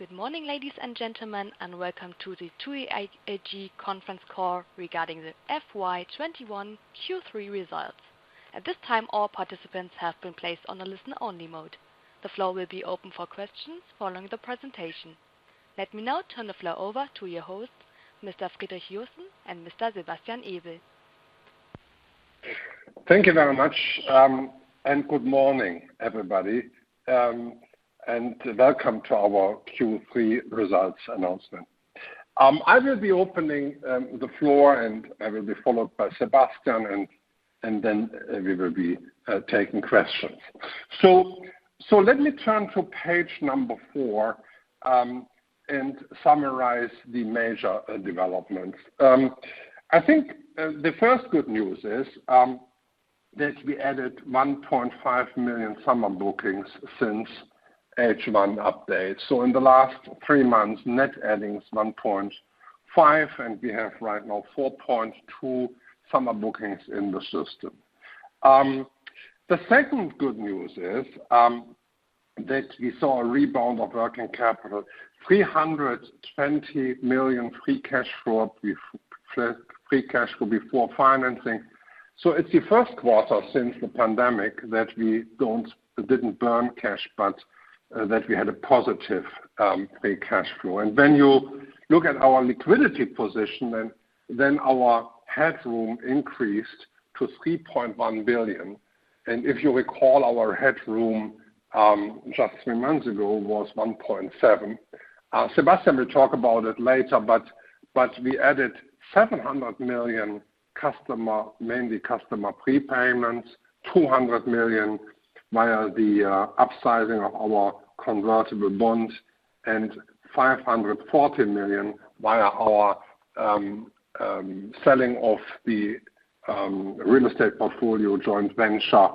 Good morning, ladies and gentlemen, and welcome to the TUI AG conference call regarding the FY21 Q3 results. At this time, all participants have been placed on a listen-only mode. The floor will be open for questions following the presentation. Let me now turn the floor over to your hosts, Mr. Friedrich Joussen and Mr. Sebastian Ebel. Thank you very much, and good morning, everybody, and welcome to our Q3 results announcement. I will be opening the floor, and I will be followed by Sebastian, and then we will be taking questions. Let me turn to page number four and summarize the major developments. I think the first good news is that we added 1.5 million summer bookings since H1 update. In the last three months, net adding is 1.5, and we have right now 4.2 summer bookings in the system. The second good news is that we saw a rebound of working capital, 320 million free cash flow before financing. It's the first quarter since the pandemic that we didn't burn cash, but that we had a positive free cash flow. When you look at our liquidity position, then our headroom increased to 3.1 billion. If you recall, our headroom just three months ago was 1.7. Sebastian will talk about it later, but we added 700 million, mainly customer prepayments, 200 million via the upsizing of our convertible bond, and 540 million via our selling of the real estate portfolio joint venture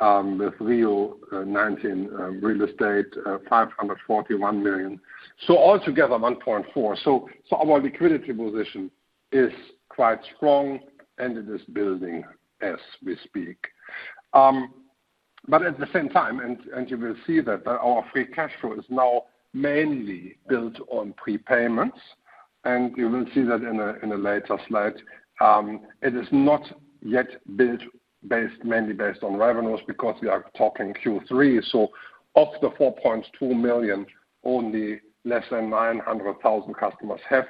with RIU 19 real estate, 541 million. All together, 1.4 billion. Our liquidity position is quite strong, and it is building as we speak. At the same time, you will see that our free cash flow is now mainly built on prepayments, and you will see that in a later slide. It is not yet built mainly based on revenues because we are talking Q3. Of the 4.2 million, only less than 900,000 customers have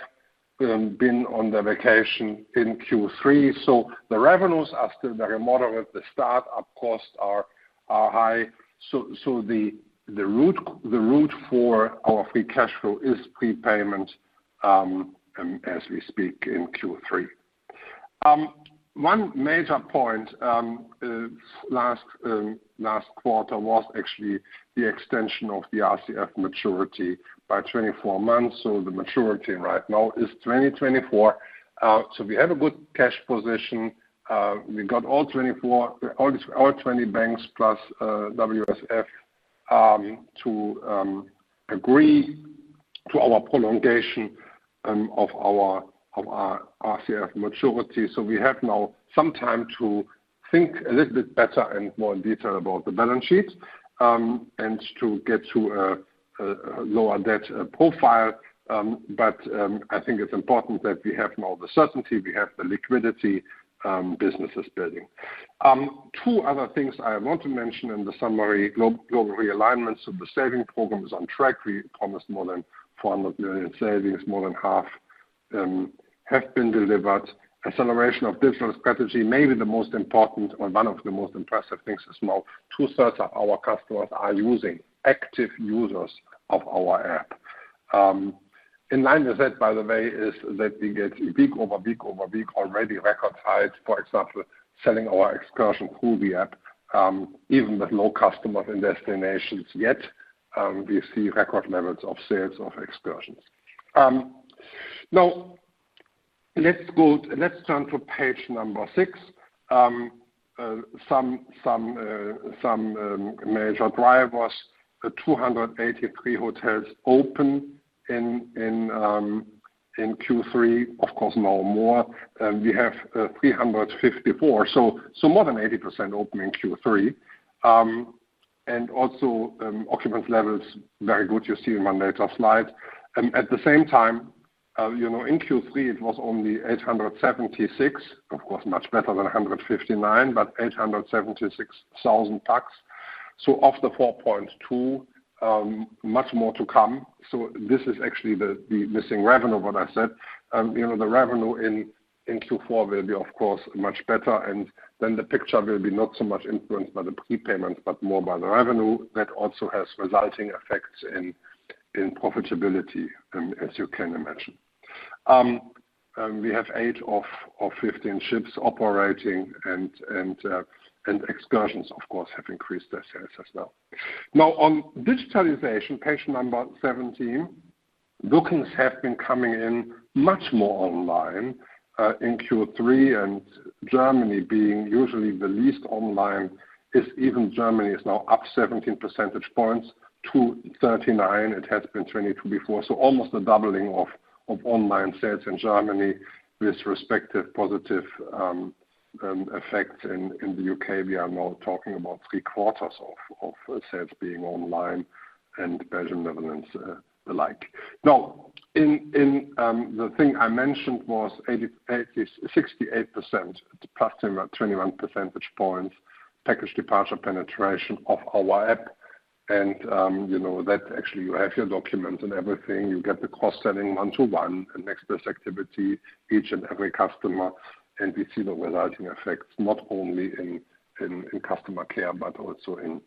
been on their vacation in Q3. The revenues are still very moderate. The start-up costs are high. The route for our free cash flow is prepayment as we speak in Q3. One major point last quarter was actually the extension of the RCF maturity by 24 months. The maturity right now is 2024. We have a good cash position. We got all 20 banks plus WSF to agree to our prolongation of our RCF maturity. We have now some time to think a little bit better and more in detail about the balance sheet and to get to a lower debt profile. I think it's important that we have now the certainty, we have the liquidity, business is building. Two other things I want to mention in the summary. Global Realignment Programme is on track. We promised more than 400 million savings, more than half have been delivered. Acceleration of digital strategy, maybe the most important or one of the most impressive things is now two-thirds of our customers are active users of our app. In line with it, by the way, is that we get week over week over week already record highs, for example, selling our excursion through the app, even with low customers and destinations, yet we see record levels of sales of excursions. Let's turn to page six. Some major drivers, 283 hotels open in Q3. Of course, now more. We have 354, so more than 80% open in Q3. Also, occupancy levels very good. You'll see in one later slide. At the same time, in Q3, it was only 876. Of course, much better than 159, 876,000 paxs. Of the 4.2, much more to come. This is actually the missing revenue, what I said. The revenue in Q4 will be, of course, much better, and then the picture will be not so much influenced by the prepayments, but more by the revenue that also has resulting effects in profitability, as you can imagine. We have eight of 15 ships operating, and excursions, of course, have increased their sales as well. Now, on digitalization, page number 17, bookings have been coming in much more online in Q3, and Germany being usually the least online, even Germany is now up 17 percentage points to 39. It has been 22 before. So almost a doubling of online sales in Germany with respective positive effects. In the U.K., we are now talking about three quarters of sales being online and Belgium, Netherlands, the like. Now, the thing I mentioned was 68%, approximately 21 percentage points package departure penetration of our app. That actually you have your document and everything, you get the cost saving 1:1 and next best activity, each and every customer. We see the resulting effects, not only in customer care, but also in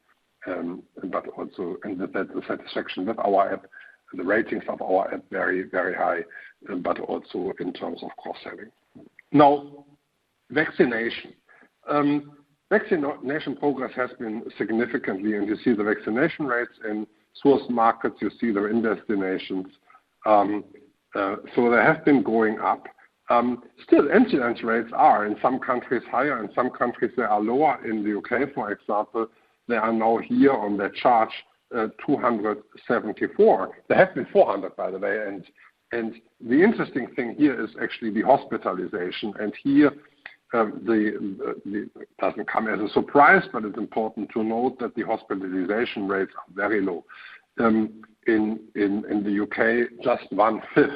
the satisfaction with our app. The ratings of our app very, very high, but also in terms of cost saving. Now, vaccination. Vaccination progress has been significantly, you see the vaccination rates in source markets, you see they're in destinations. They have been going up. Still, incidence rates are in some countries higher, in some countries they are lower. In the U.K., for example, they are now here on the chart 274. They have been 400, by the way. The interesting thing here is actually the hospitalization. Here, it doesn't come as a surprise, but it's important to note that the hospitalization rates are very low. In the U.K., just one-fifth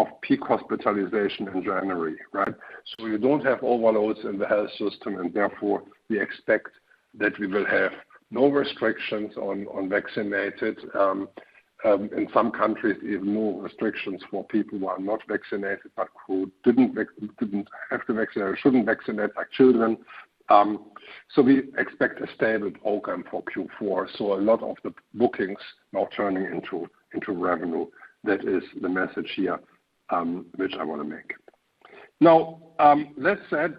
of peak hospitalization in January, right? You do not have overloads in the health system, and therefore we expect that we will have no restrictions on vaccinated. In some countries, even no restrictions for people who are not vaccinated, but who did not have to vaccinate or should not vaccinate, like children. We expect a stable outcome for Q4. A lot of the bookings now turning into revenue. That is the message here, which I want to make. Now, that said,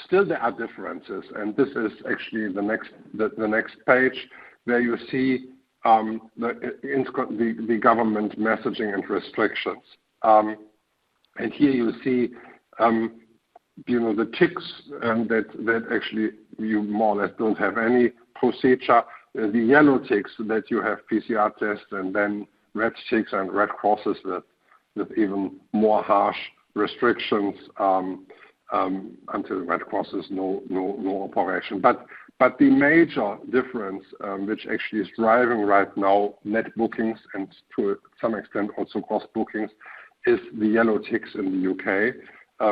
still there are differences. This is actually the next page where you see the government messaging and restrictions. Here you see the ticks, that actually you more or less do not have any procedure. The yellow ticks, that you have PCR tests and then red ticks and red crosses that even more harsh restrictions, until red cross is no operation. The major difference, which actually is driving right now net bookings and to some extent also cross bookings, is the yellow ticks in the U.K.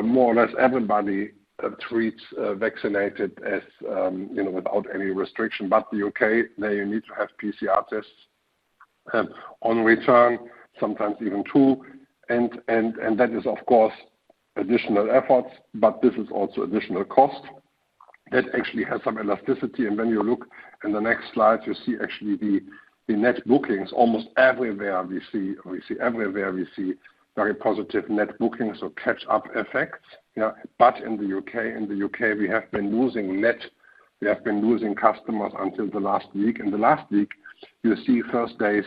More or less everybody treats vaccinated as without any restriction. The U.K., there you need to have PCR tests on return, sometimes even two. That is of course additional efforts, but this is also additional cost that actually has some elasticity. When you look in the next slide, you see actually the net bookings almost everywhere we see very positive net bookings or catch-up effects. In the U.K. we have been losing customers until the last week. In the last week, you see first days,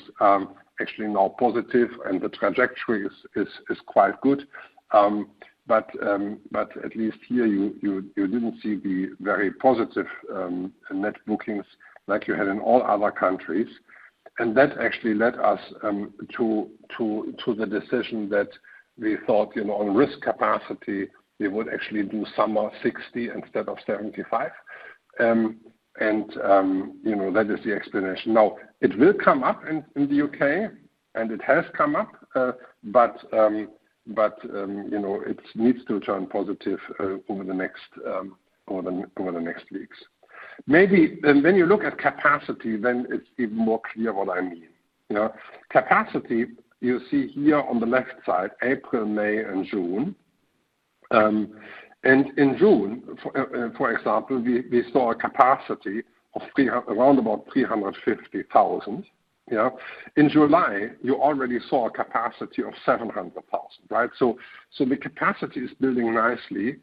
actually now positive and the trajectory is quite good. At least here you didn't see the very positive net bookings like you had in all other countries. That actually led us to the decision that we thought on risk capacity we would actually do summer 60% instead of 75%. That is the explanation. Now it will come up in the U.K. and it has come up. It needs to turn positive over the next weeks. When you look at capacity, then it's even more clear what I mean. Capacity you see here on the left side, April, May and June. In June for example, we saw a capacity of around about 350,000. In July you already saw a capacity of 700,000, right? The capacity is building nicely.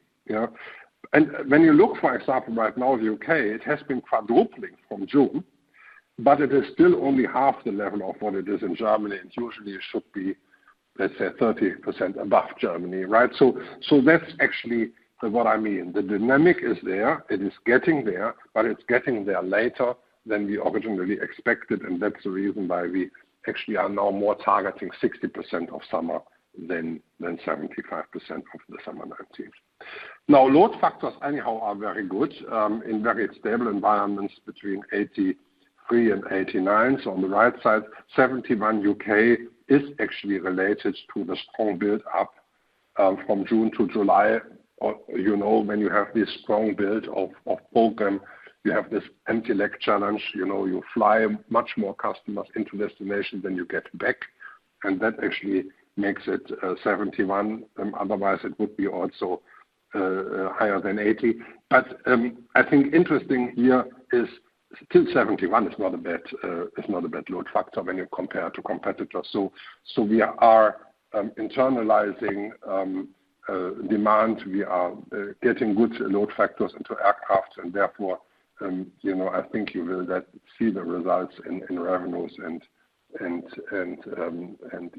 When you look for example right now the U.K., it has been quadrupling from June, but it is still only half the level of what it is in Germany and usually it should be, let's say 30% above Germany, right? That's actually what I mean. The dynamic is there, it is getting there, but it's getting there later than we originally expected and that's the reason why we actually are now more targeting 60% of summer than 75% of the summer 2019. Load factors anyhow are very good, in very stable environments between 83%-89%. On the right side, 71% U.K. is actually related to the strong build of program from June to July. When you have this strong build of program, you have this intellect challenge. You fly much more customers into destination than you get back and that actually makes it 71%. Otherwise it would be also higher than 80%. I think interesting here is still 71% is not a bad load factor when you compare to competitors. We are internalizing demand. We are getting good load factors into aircraft and therefore I think you will see the results in revenues and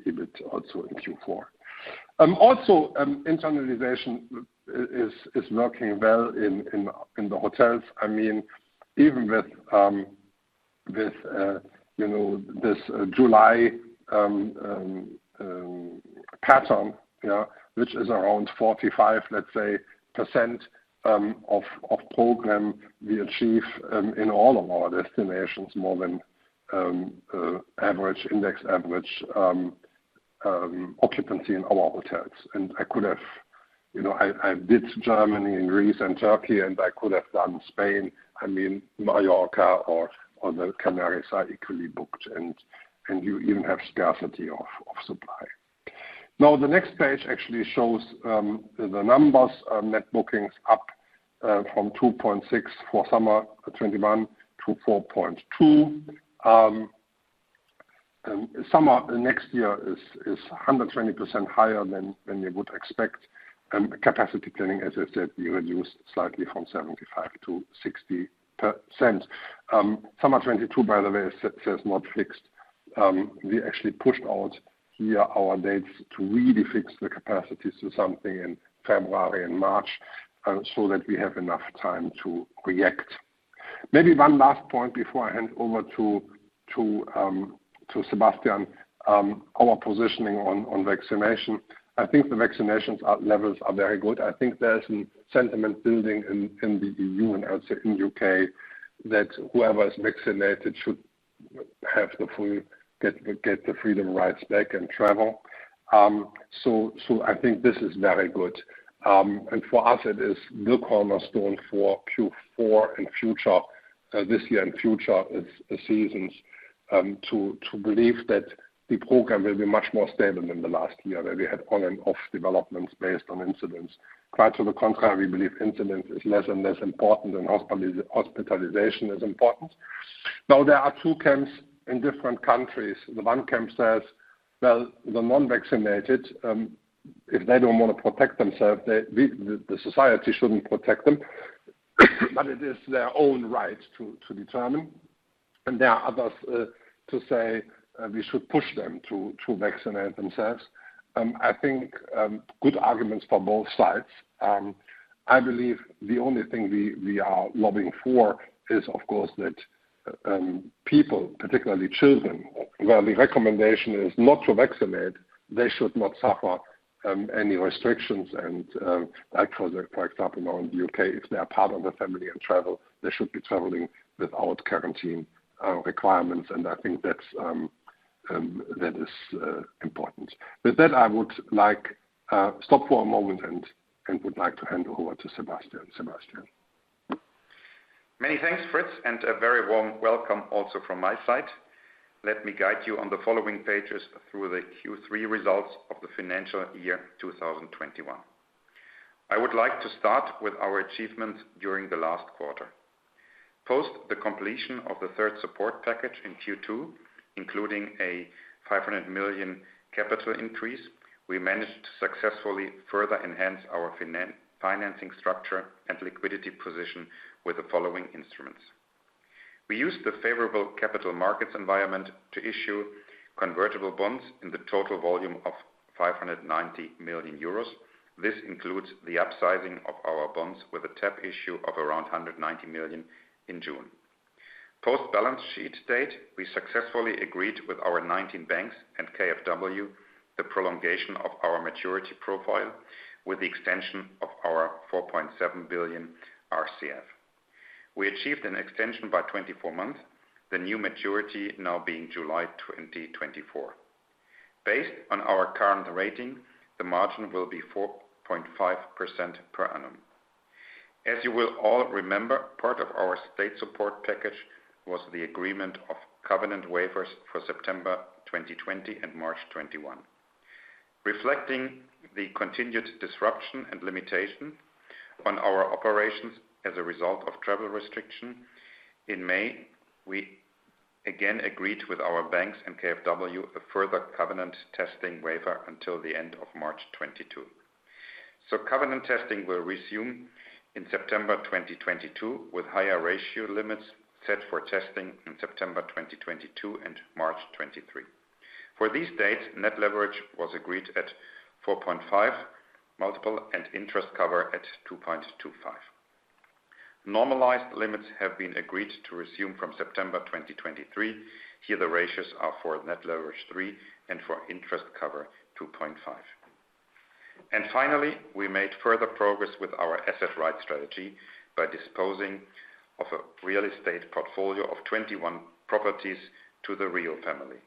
EBIT also in Q4. Internalization is working well in the hotels. I mean, even with this July pattern which is around 45% of program we achieve in all of our destinations more than index average occupancy in our hotels. I did Germany and Greece and Turkey, and I could have done Spain. Majorca or the Canaries are equally booked, and you even have scarcity of supply. The next page actually shows the numbers. Net bookings up from 2.6 for summer 2021to 4.2. Summer next year is 120% higher than you would expect, and capacity planning, as I said, we reduced slightly from 75% to 60%. Summer 2022, by the way, it says "Not fixed." We actually pushed out here our dates to really fix the capacity to something in February and March so that we have enough time to react. Maybe one last point before I hand over to Sebastian. Our positioning on vaccination. I think the vaccination levels are very good. I think there's a sentiment building in the EU and also in U.K. that whoever is vaccinated should get the freedom of rights back and travel. I think this is very good. For us it is the cornerstone for Q4 this year and future seasons to believe that the program will be much more stable than the last year that we had on-and-off developments based on incidence. Quite to the contrary, we believe incidence is less and less important than hospitalization is important. Now, there are two camps in different countries. The one camp says, "Well, the non-vaccinated, if they don't want to protect themselves, the society shouldn't protect them." It is their own right to determine. There are others to say that we should push them to vaccinate themselves. I think good arguments for both sides. I believe the only thing we are lobbying for is, of course, that people, particularly children, where the recommendation is not to vaccinate, they should not suffer any restrictions and that for example, now in the U.K., if they are part of a family on travel, they should be traveling without quarantine requirements. I think that is important. With that, I would stop for a moment and would like to hand over to Sebastian. Sebastian? Many thanks, Fritz, and a very warm welcome also from my side. Let me guide you on the following pages through the Q3 results of the financial year 2021. I would like to start with our achievements during the last quarter. Post the completion of the third support package in Q2, including a 500 million capital increase, we managed to successfully further enhance our financing structure and liquidity position with the following instruments. We used the favorable capital markets environment to issue convertible bonds in the total volume of 590 million euros. This includes the upsizing of our bonds with a tap issue of around 190 million in June. Post-balance sheet date, we successfully agreed with our 19 banks and KfW the prolongation of our maturity profile with the extension of our 4.7 billion RCF. We achieved an extension by 24 months, the new maturity now being July 2024. Based on our current rating, the margin will be 4.5% per annum. As you will all remember, part of our state support package was the agreement of covenant waivers for September 2020 and March 2021. Reflecting the continued disruption and limitation on our operations as a result of travel restriction, in May we again agreed with our banks and KfW a further covenant testing waiver until the end of March 2022. Covenant testing will resume in September 2022, with higher ratio limits set for testing in September 2022 and March 2023. For these dates, net leverage was agreed at 4.5x multiple and interest cover at 2.25. Normalized limits have been agreed to resume from September 2023. Here the ratios are for net leverage 3x and for interest cover 2.5. Finally, we made further progress with our asset-right strategy by disposing of a real estate portfolio of 21 properties to the RIU family.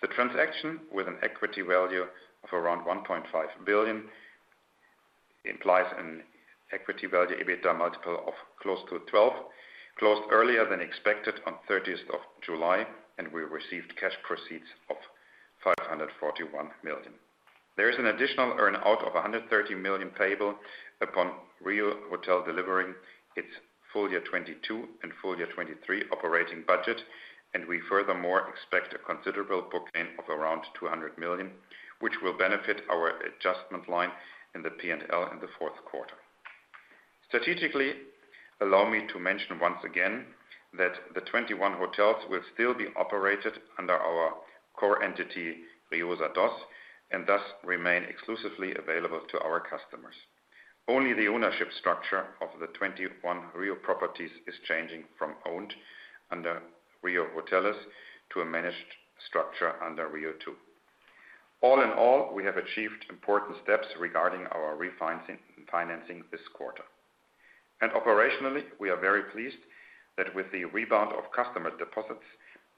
The transaction with an equity value of around 1.5 billion implies an equity value EBITDA multiple of close to 12, closed earlier than expected on July 30th, and we received cash proceeds of 541 million. There is an additional earn out of 130 million payable upon RIU II delivering its FY 2022 and FY 2023 operating budget, and we furthermore expect a considerable booking of around 200 million, which will benefit our adjustment line in the P&L in the fourth quarter. Strategically, allow me to mention once again that the 21 hotels will still be operated under our core entity, RIUSA II, and thus remain exclusively available to our customers. Only the ownership structure of the 21 RIU properties is changing from owned under RIU Hotels to a managed structure under RIU II. All in all, we have achieved important steps regarding our refinancing this quarter. Operationally, we are very pleased that with the rebound of customer deposits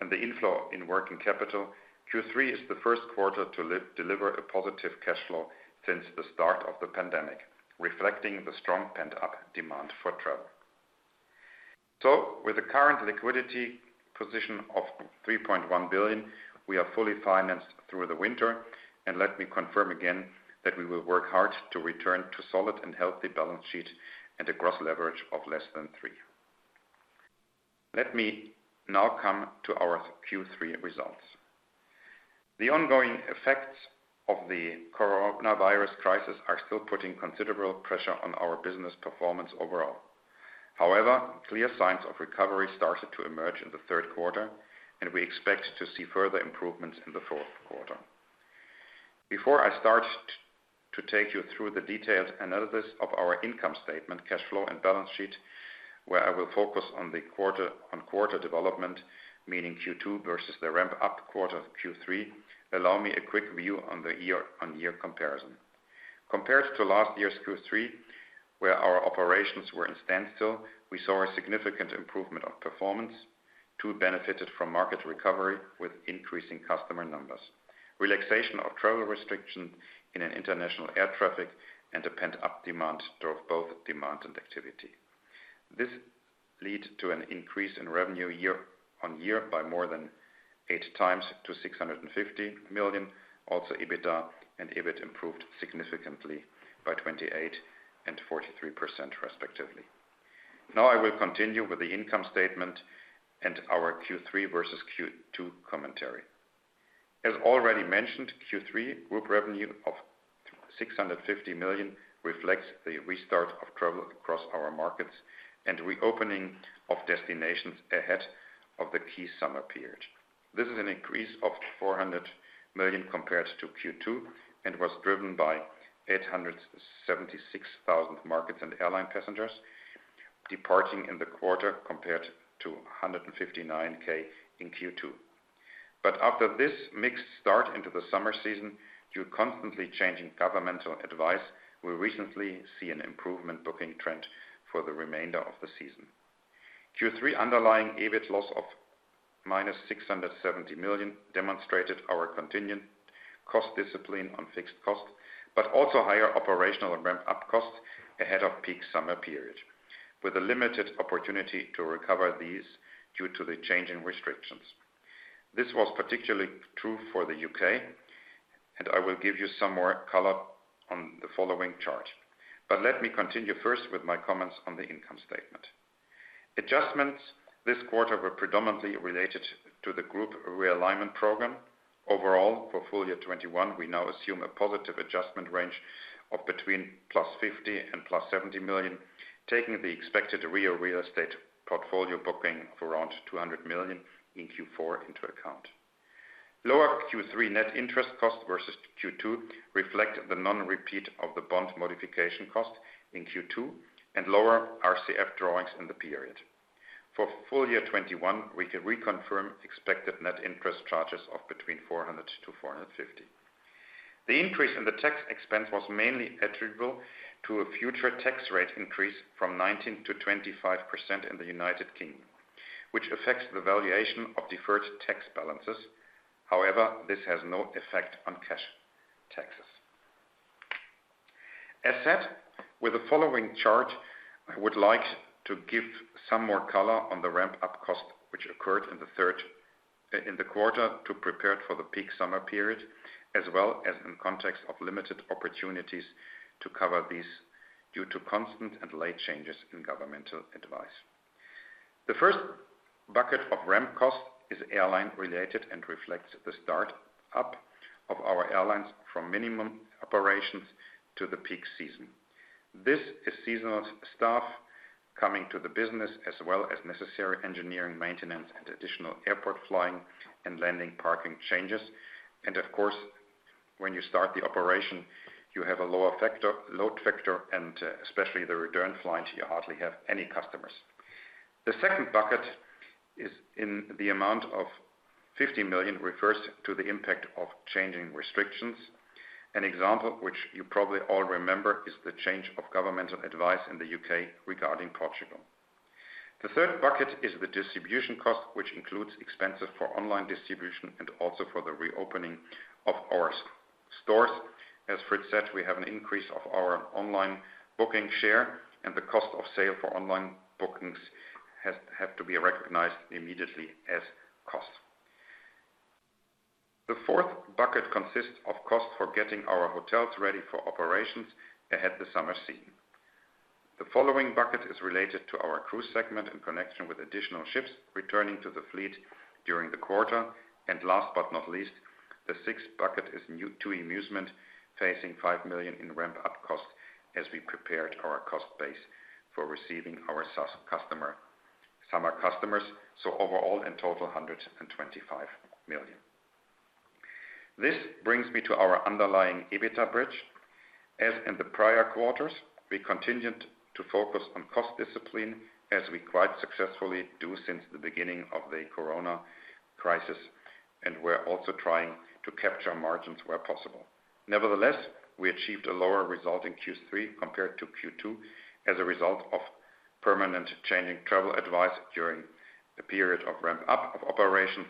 and the inflow in working capital, Q3 is the first quarter to deliver a positive cash flow since the start of the pandemic, reflecting the strong pent-up demand for travel. With the current liquidity position of 3.1 billion, we are fully financed through the winter, and let me confirm again that we will work hard to return to solid and healthy balance sheet and a gross leverage of less than three. Let me now come to our Q3 results. The ongoing effects of the corona virus crisis are still putting considerable pressure on our business performance overall. Clear signs of recovery started to emerge in the third quarter, and we expect to see further improvements in the fourth quarter. Before I start to take you through the detailed analysis of our income statement, cash flow, and balance sheet, where I will focus on quarter development, meaning Q2 versus the ramp-up quarter Q3, allow me a quick view on the year-over-year comparison. Compared to last year's Q3, where our operations were in standstill, we saw a significant improvement of performance. TUI benefited from market recovery with increasing customer numbers, relaxation of travel restrictions in an international air traffic, and a pent-up demand drove both demand and activity. This led to an increase in revenue year-on-year by more than 8x to 650 million. EBITDA and EBIT improved significantly by 28% and 43% respectively. I will continue with the income statement and our Q3 versus Q2 commentary. As already mentioned, Q3 group revenue of 650 million reflects the restart of travel across our markets and reopening of destinations ahead of the key summer period. This is an increase of 400 million compared to Q2 and was driven by 876,000 markets and airline passengers departing in the quarter compared to 159,000 in Q2. After this mixed start into the summer season, due constantly changing governmental advice, we recently see an improvement booking trend for the remainder of the season. Q3 underlying EBIT loss of -670 million demonstrated our continuing cost discipline on fixed cost, also higher operational ramp-up costs ahead of peak summer period, with a limited opportunity to recover these due to the change in restrictions. This was particularly true for the U.K., I will give you some more color on the following chart. Let me continue first with my comments on the income statement. Adjustments this quarter were predominantly related to the Group Realignment Programme. Overall, for FY 2021, we now assume a positive adjustment range of between +50 million and +70 million, taking the expected RIU real estate portfolio booking of around 200 million in Q4 into account. Lower Q3 net interest cost versus Q2 reflect the non-repeat of the bond modification cost in Q2 and lower RCF drawings in the period. For FY 2021, we can reconfirm expected net interest charges of between 400 million-450 million. The increase in the tax expense was mainly attributable to a future tax rate increase from 19% to 25% in the U.K., which affects the valuation of deferred tax balances. This has no effect on cash taxes. As said, with the following chart, I would like to give some more color on the ramp-up costs which occurred in the quarter to prepare for the peak summer period, as well as in context of limited opportunities to cover these due to constant and late changes in governmental advice. The first bucket of ramp costs is airline related and reflects the start-up of our airlines from minimum operations to the peak season. This is seasonal staff coming to the business as well as necessary engineering, maintenance, and additional airport flying and landing parking changes. Of course, when you start the operation, you have a lower load factor and especially the return flights, you hardly have any customers. The second bucket is in the amount of 50 million refers to the impact of changing restrictions. An example which you probably all remember is the change of governmental advice in the U.K. regarding Portugal. The third bucket is the distribution cost, which includes expenses for online distribution and also for the reopening of our stores. As Fritz said, we have an increase of our online booking share and the cost of sale for online bookings have to be recognized immediately as cost. The fourth bucket consists of cost for getting our hotels ready for operations ahead the summer season. The following bucket is related to our cruise segment in connection with additional ships returning to the fleet during the quarter. Last but not least, the sixth bucket is TUI Musement, facing 5 million in ramp-up cost as we prepared our cost base for receiving our summer customers. Overall, in total, 125 million. This brings me to our underlying EBITDA bridge. As in the prior quarters, we continued to focus on cost discipline as we quite successfully do since the beginning of the corona crisis, and we're also trying to capture margins where possible. Nevertheless, we achieved a lower result in Q3 compared to Q2 as a result of permanent changing travel advice during the period of ramp-up of operations,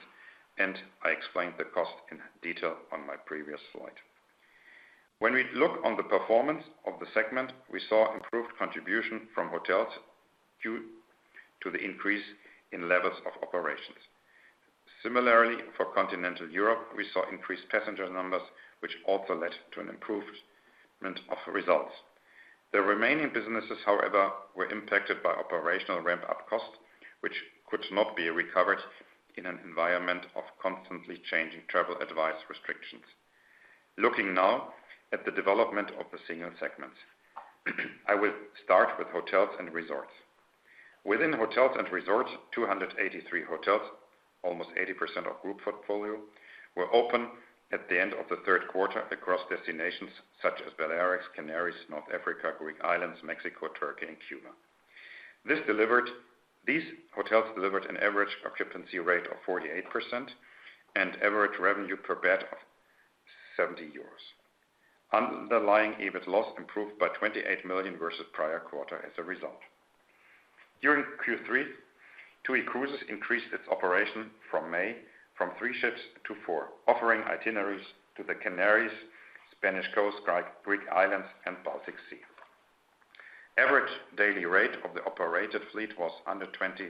and I explained the cost in detail on my previous slide. We look on the performance of the segment, we saw improved contribution from hotels due to the increase in levels of operations. For continental Europe, we saw increased passenger numbers, which also led to an improvement of results. The remaining businesses, however, were impacted by operational ramp-up costs, which could not be recovered in an environment of constantly changing travel advice restrictions. Looking now at the development of the single segments. I will start with hotels and resorts. Within hotels and resorts, 283 hotels, almost 80% of group portfolio, were open at the end of the third quarter across destinations such as Balearics, Canaries, North Africa, Greek islands, Mexico, Turkey, and Cuba. These hotels delivered an average occupancy rate of 48% and average revenue per bed of 70 euros. Underlying EBIT loss improved by 28 million versus prior quarter as a result. During Q3, TUI Cruises increased its operation from May from three ships to four, offering itineraries to the Canaries, Spanish Coast, Greek islands, and Baltic Sea. Average daily rate of the operated fleet was under 20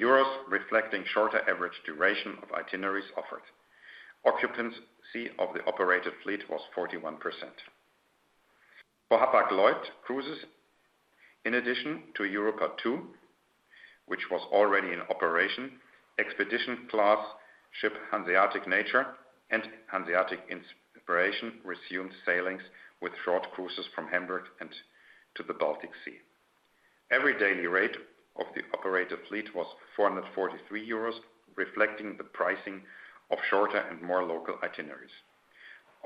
euros, reflecting shorter average duration of itineraries offered. Occupancy of the operated fleet was 41%. For Hapag-Lloyd Cruises, in addition to EUROPA 2, which was already in operation, expedition class ship HANSEATIC nature and HANSEATIC inspiration resumed sailings with short cruises from Hamburg and to the Baltic Sea. Average daily rate of the operated fleet was 443 euros, reflecting the pricing of shorter and more local itineraries.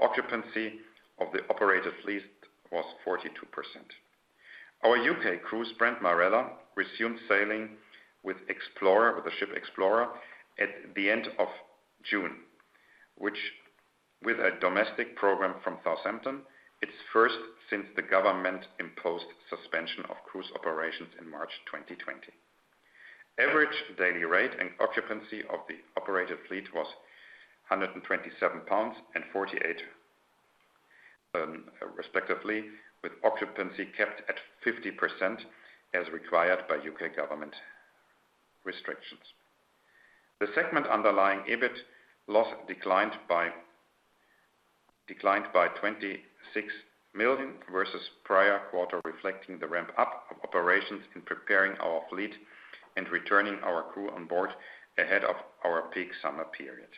Occupancy of the operated fleet was 42%. Our U.K. cruise brand, Marella, resumed sailing with the ship Explorer at the end of June, with a domestic program from Southampton, its first since the government imposed suspension of cruise operations in March 2020. Average daily rate and occupancy of the operated fleet was 127 pounds and 48%, respectively, with occupancy kept at 50% as required by U.K. government restrictions. The segment underlying EBIT loss declined by 26 million versus prior quarter, reflecting the ramp-up of operations in preparing our fleet and returning our crew on board ahead of our peak summer period.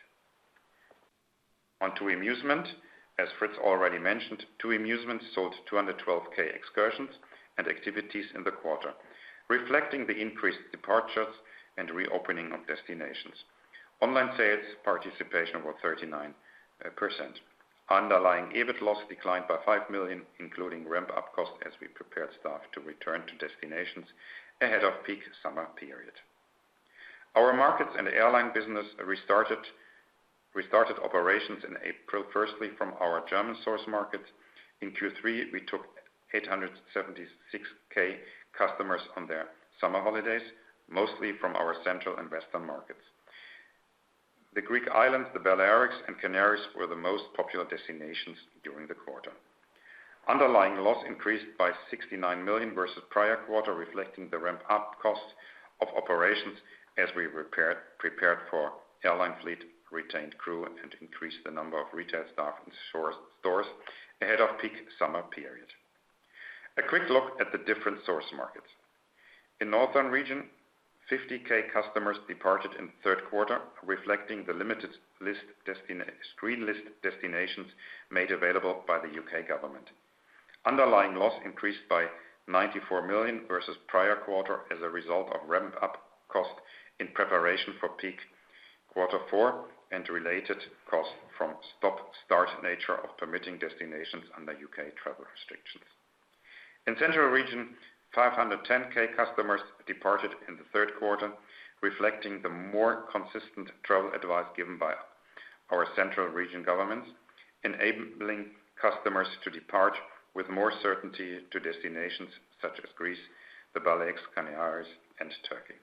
On to Musement. As Fritz already mentioned, TUI Musement sold 212,000 excursions and activities in the quarter, reflecting the increased departures and reopening of destinations. Online sales participation were 39%. Underlying EBIT loss declined by 5 million, including ramp-up cost as we prepared staff to return to destinations ahead of peak summer period. Our Markets and Airline business restarted operations in April, firstly from our German source markets. In Q3, we took 876,000 customers on their summer holidays, mostly from our Central and Western markets. The Greek islands, the Balearics and Canaries were the most popular destinations during the quarter. Underlying loss increased by 69 million versus prior quarter, reflecting the ramp-up cost of operations as we prepared for airline fleet, retained crew, and increased the number of retail staff in stores ahead of peak summer periods. A quick look at the different source markets. In Northern Region, 50,000 customers departed in the third quarter, reflecting the limited green list destinations made available by the U.K. government. Underlying loss increased by 94 million versus prior quarter as a result of ramped-up cost in preparation for peak quarter four and related costs from stop-start nature of permitting destinations under U.K. travel restrictions. In Central Region, 510,000 customers departed in the third quarter, reflecting the more consistent travel advice given by our Central Region governments, enabling customers to depart with more certainty to destinations such as Greece, the Balearics, Canaries, and Turkey.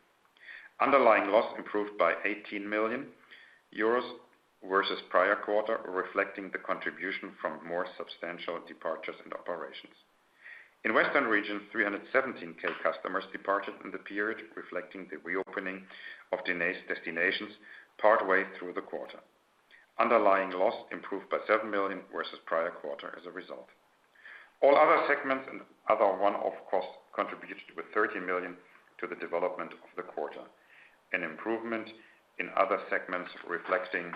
Underlying loss improved by EUR 18 million versus prior quarter, reflecting the contribution from more substantial departures and operations. In Western Region, 317,000 customers departed in the period reflecting the reopening of destinations partway through the quarter. Underlying loss improved by 7 million versus prior quarter as a result. All other segments and other one-off costs contributed with 30 million to the development of the quarter. An improvement in other segments reflecting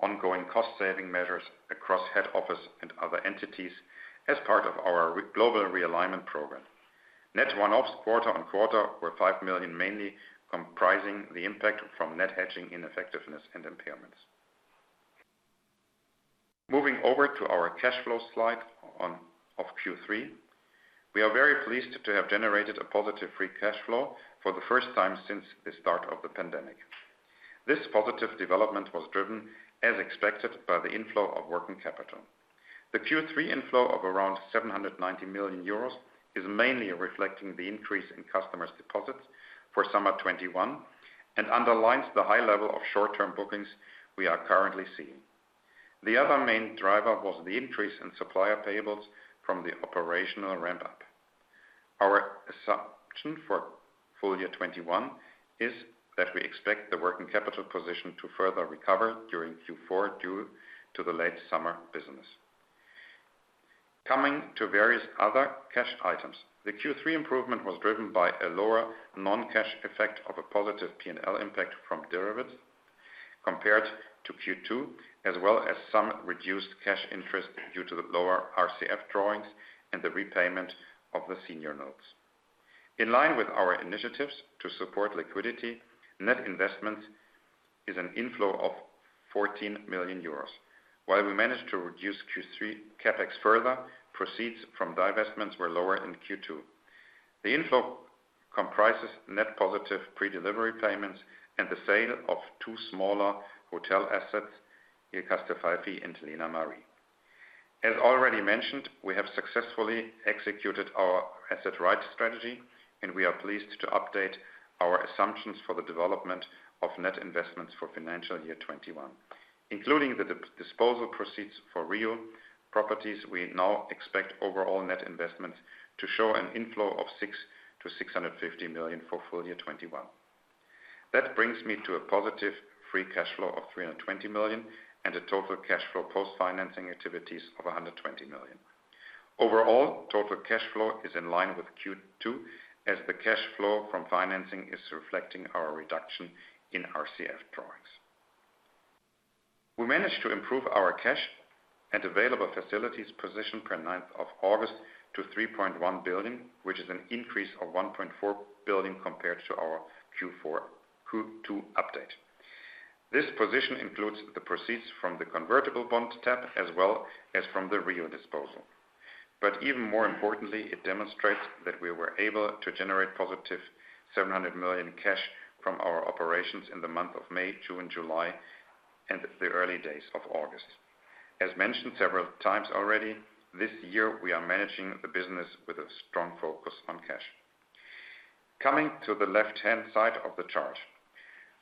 ongoing cost-saving measures across head office and other entities as part of our Global Realignment Programme. Net one-offs quarter-on-quarter were 5 million, mainly comprising the impact from net hedging ineffectiveness and impairments. Moving over to our cash flow slide of Q3, we are very pleased to have generated a positive free cash flow for the first time since the start of the pandemic. This positive development was driven, as expected, by the inflow of working capital. The Q3 inflow of around 790 million euros is mainly reflecting the increase in customers' deposits for summer 2021 and underlines the high level of short-term bookings we are currently seeing. The other main driver was the increase in supplier payables from the operational ramp-up. Our assumption for full year 2021 is that we expect the working capital position to further recover during Q4 due to the late summer business. Coming to various other cash items, the Q3 improvement was driven by a lower non-cash effect of a positive P&L impact from derivatives compared to Q2, as well as some reduced cash interest due to the lower RCF drawings and the repayment of the senior notes. In line with our initiatives to support liquidity, net investment is an inflow of 14 million euros. While we managed to reduce Q3 CapEx further, proceeds from divestments were lower in Q2. The inflow comprises net positive pre-delivery payments and the sale of two smaller hotel assets in Castelfalfi and Lena Mare. As already mentioned, we have successfully executed our asset-right strategy, and we are pleased to update our assumptions for the development of net investments for FY 2021. Including the disposal proceeds for RIU properties, we now expect overall net investment to show an inflow of 6 million-650 million for full year 2021. That brings me to a positive free cash flow of 320 million and a total cash flow post-financing activities of 120 million. Overall, total cash flow is in line with Q2 as the cash flow from financing is reflecting our reduction in RCF drawings. We managed to improve our cash and available facilities position per August 9th to 3.1 billion, which is an increase of 1.4 billion compared to our Q2 update. This position includes the proceeds from the convertible bond tap as well as from the RIU disposal. Even more importantly, it demonstrates that we were able to generate positive 700 million cash from our operations in the month of May, June, July, and the early days of August. As mentioned several times already, this year, we are managing the business with a strong focus on cash. Coming to the left-hand side of the chart.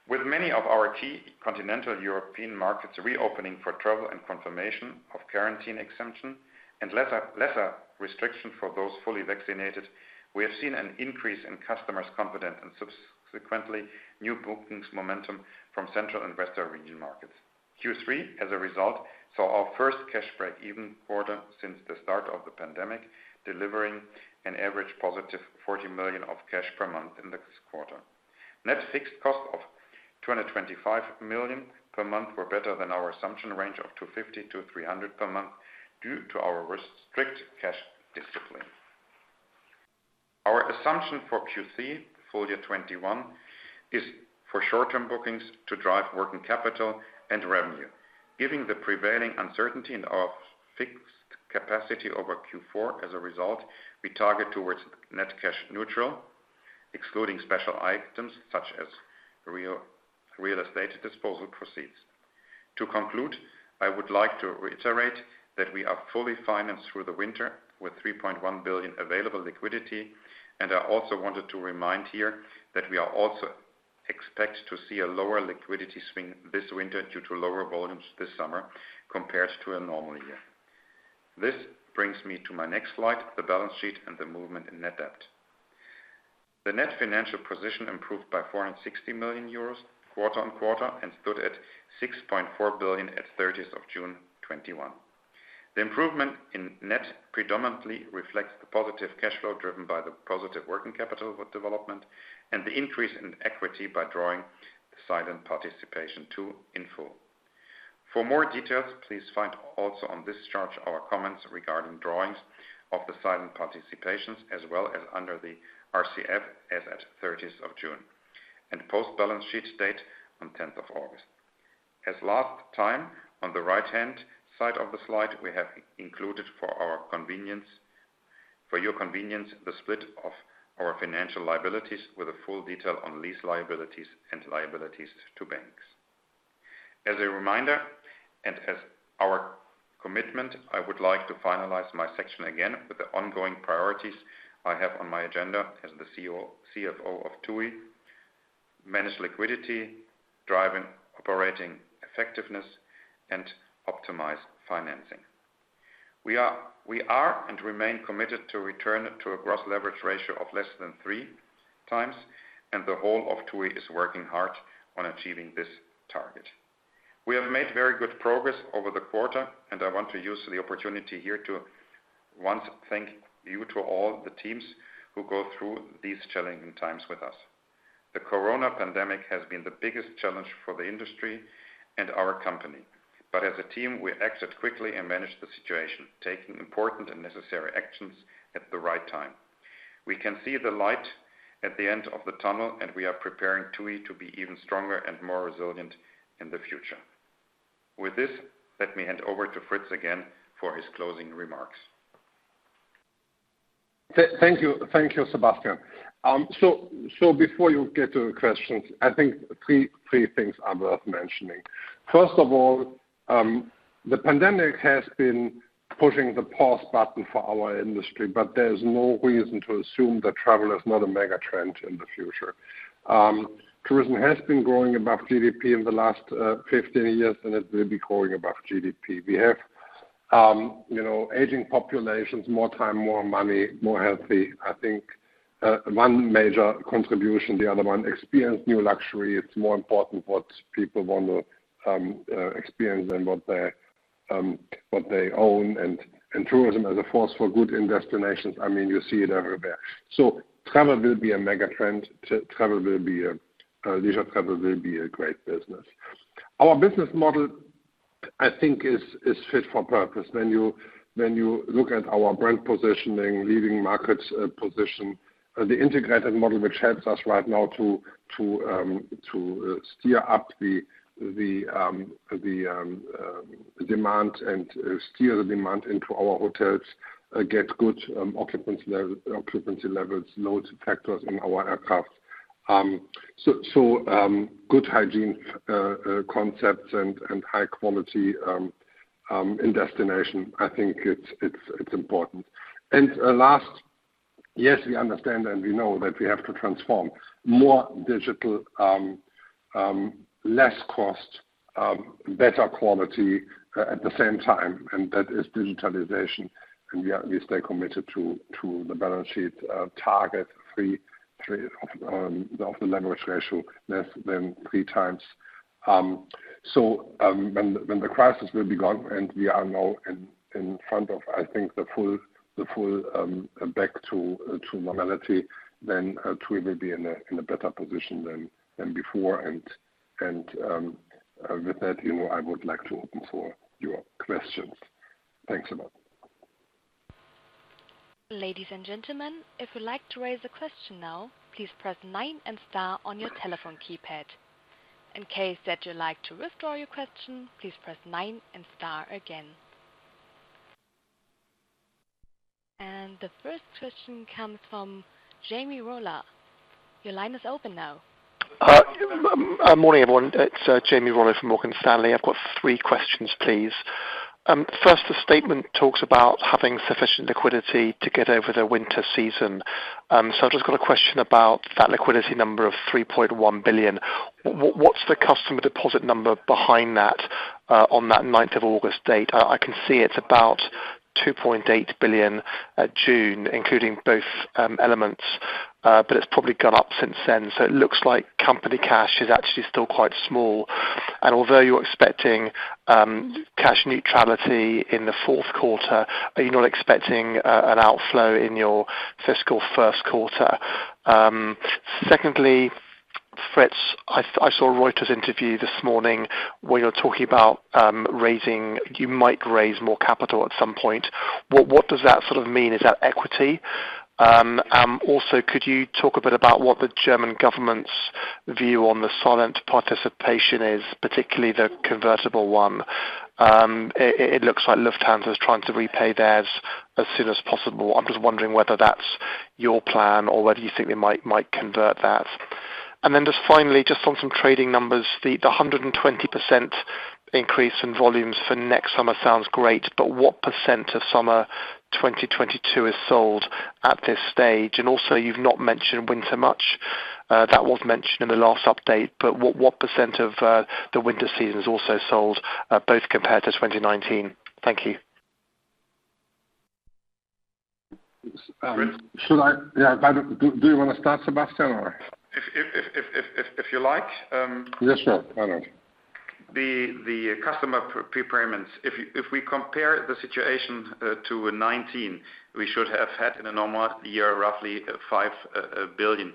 With many of our key continental European markets reopening for travel and confirmation of quarantine exemption and lesser restriction for those fully vaccinated, we have seen an increase in customers' confidence and subsequently new bookings momentum from Central and Western Region markets. Q3, as a result, saw our first cash break-even quarter since the start of the pandemic, delivering an average positive 40 million of cash per month in this quarter. Net fixed costs of 225 million per month were better than our assumption range of 250 million-300 million per month due to our strict cash discipline. Our assumption for Q3 FY 2021 is for short-term bookings to drive working capital and revenue. Given the prevailing uncertainty in our fixed capacity over Q4, we target towards net cash-neutral, excluding special items such as real estate disposal proceeds. To conclude, I would like to reiterate that we are fully financed through the winter with 3.1 billion available liquidity. I also wanted to remind here that we are also expect to see a lower liquidity swing this winter due to lower volumes this summer compared to a normal year. This brings me to my next slide, the balance sheet and the movement in net debt. The net financial position improved by 460 million euros quarter on quarter and stood at 6.4 billion at June 30, 2021. The improvement in net predominantly reflects the positive cash flow driven by the positive working capital development and the increase in equity by drawing the Silent Participation II in full. For more details, please find also on this chart our comments regarding drawings of the Silent Participations, as well as under the RCF as at June 30 and post-balance sheet date on August 10. As last time, on the right-hand side of the slide, we have included for your convenience, the split of our financial liabilities with a full detail on lease liabilities and liabilities to banks. As a reminder and as our commitment, I would like to finalize my section again with the ongoing priorities I have on my agenda as the CFO of TUI. Manage liquidity, drive operating effectiveness and optimize financing. We are and remain committed to return to a gross leverage ratio of less than 3x and the whole of TUI is working hard on achieving this target. We have made very good progress over the quarter, and I want to use the opportunity here to once thank you to all the teams who go through these challenging times with us. The corona pandemic has been the biggest challenge for the industry and our company. As a team, we acted quickly and managed the situation, taking important and necessary actions at the right time. We can see the light at the end of the tunnel, and we are preparing TUI to be even stronger and more resilient in the future. With this, let me hand over to Fritz again for his closing remarks. Thank you, Sebastian. Before you get to the questions, I think three things are worth mentioning. First of all, the pandemic has been pushing the pause button for our industry, but there's no reason to assume that travel is not a mega trend in the future. Tourism has been growing above GDP in the last 15 years, and it will be growing above GDP. We have aging populations, more time, more money, more healthy. I think one major contribution. The other one, experience new luxury. It's more important what people want to experience than what they own, and tourism as a force for good in destinations. You see it everywhere. Travel will be a mega trend. Leisure travel will be a great business. Our business model, I think is fit for purpose. When you look at our brand positioning, leading market position, the integrated model, which helps us right now to steer up the demand and steer the demand into our hotels, get good occupancy levels, load factors in our aircraft. Good hygiene concepts and high quality in destination, I think it's important. Last, yes, we understand and we know that we have to transform. More digital, less cost, better quality at the same time, and that is digitalization. We stay committed to the balance sheet target of the leverage ratio, less than 3x. When the crisis will be gone and we are now in front of, I think, the full back to normality, then TUI will be in a better position than before. With that, I would like to open for your questions. Thanks a lot. Ladies and gentlemen, if you'd like to raise a question now, please press nine and star on your telephone keypad. In case that you'd like to withdraw your question, please press nine and star again. The first question comes from Jamie Rollo. Your line is open now. Morning, everyone. It's Jamie Rollo from Morgan Stanley. I've got three questions, please. First, the statement talks about having sufficient liquidity to get over the winter season. I've just got a question about that liquidity number of 3.1 billion. What's the customer deposit number behind that on that August 9th date? I can see it's about 2.8 billion at June, including both elements, but it's probably gone up since then. It looks like company cash is actually still quite small. Although you're expecting cash neutrality in the fourth quarter, are you not expecting an outflow in your fiscal first quarter? Secondly, Fritz, I saw a Reuters interview this morning where you were talking about you might raise more capital at some point. What does that mean? Is that equity? Could you talk a bit about what the German government's view on the Silent Participation is, particularly the convertible one? It looks like Lufthansa is trying to repay theirs as soon as possible. I'm just wondering whether that's your plan or whether you think they might convert that. Just finally, just on some trading numbers, the 120% increase in volumes for next summer sounds great, but what percent of summer 2022 is sold at this stage? You've not mentioned winter much. That was mentioned in the last update, but what percent of the winter season is also sold, both compared to 2019? Thank you. Fritz? Should I? Yeah. Do you want to start, Sebastian, or? If you like. Yes, sure. Why not? The customer prepayments, if we compare the situation to 2019, we should have had in a normal year, roughly 5 billion.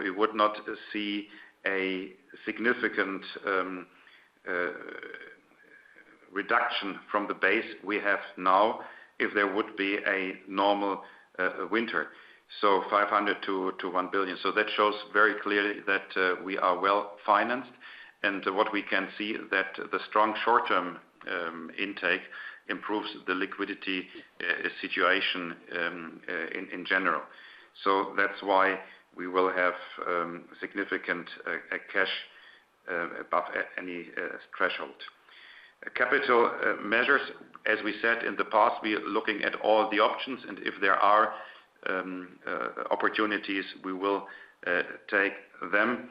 We would not see a significant reduction from the base we have now if there would be a normal winter. 500 million-1 billion. That shows very clearly that we are well-financed, and what we can see is that the strong short-term intake improves the liquidity situation in general. That's why we will have significant cash above any threshold. Capital measures, as we said in the past, we are looking at all the options, and if there are opportunities, we will take them.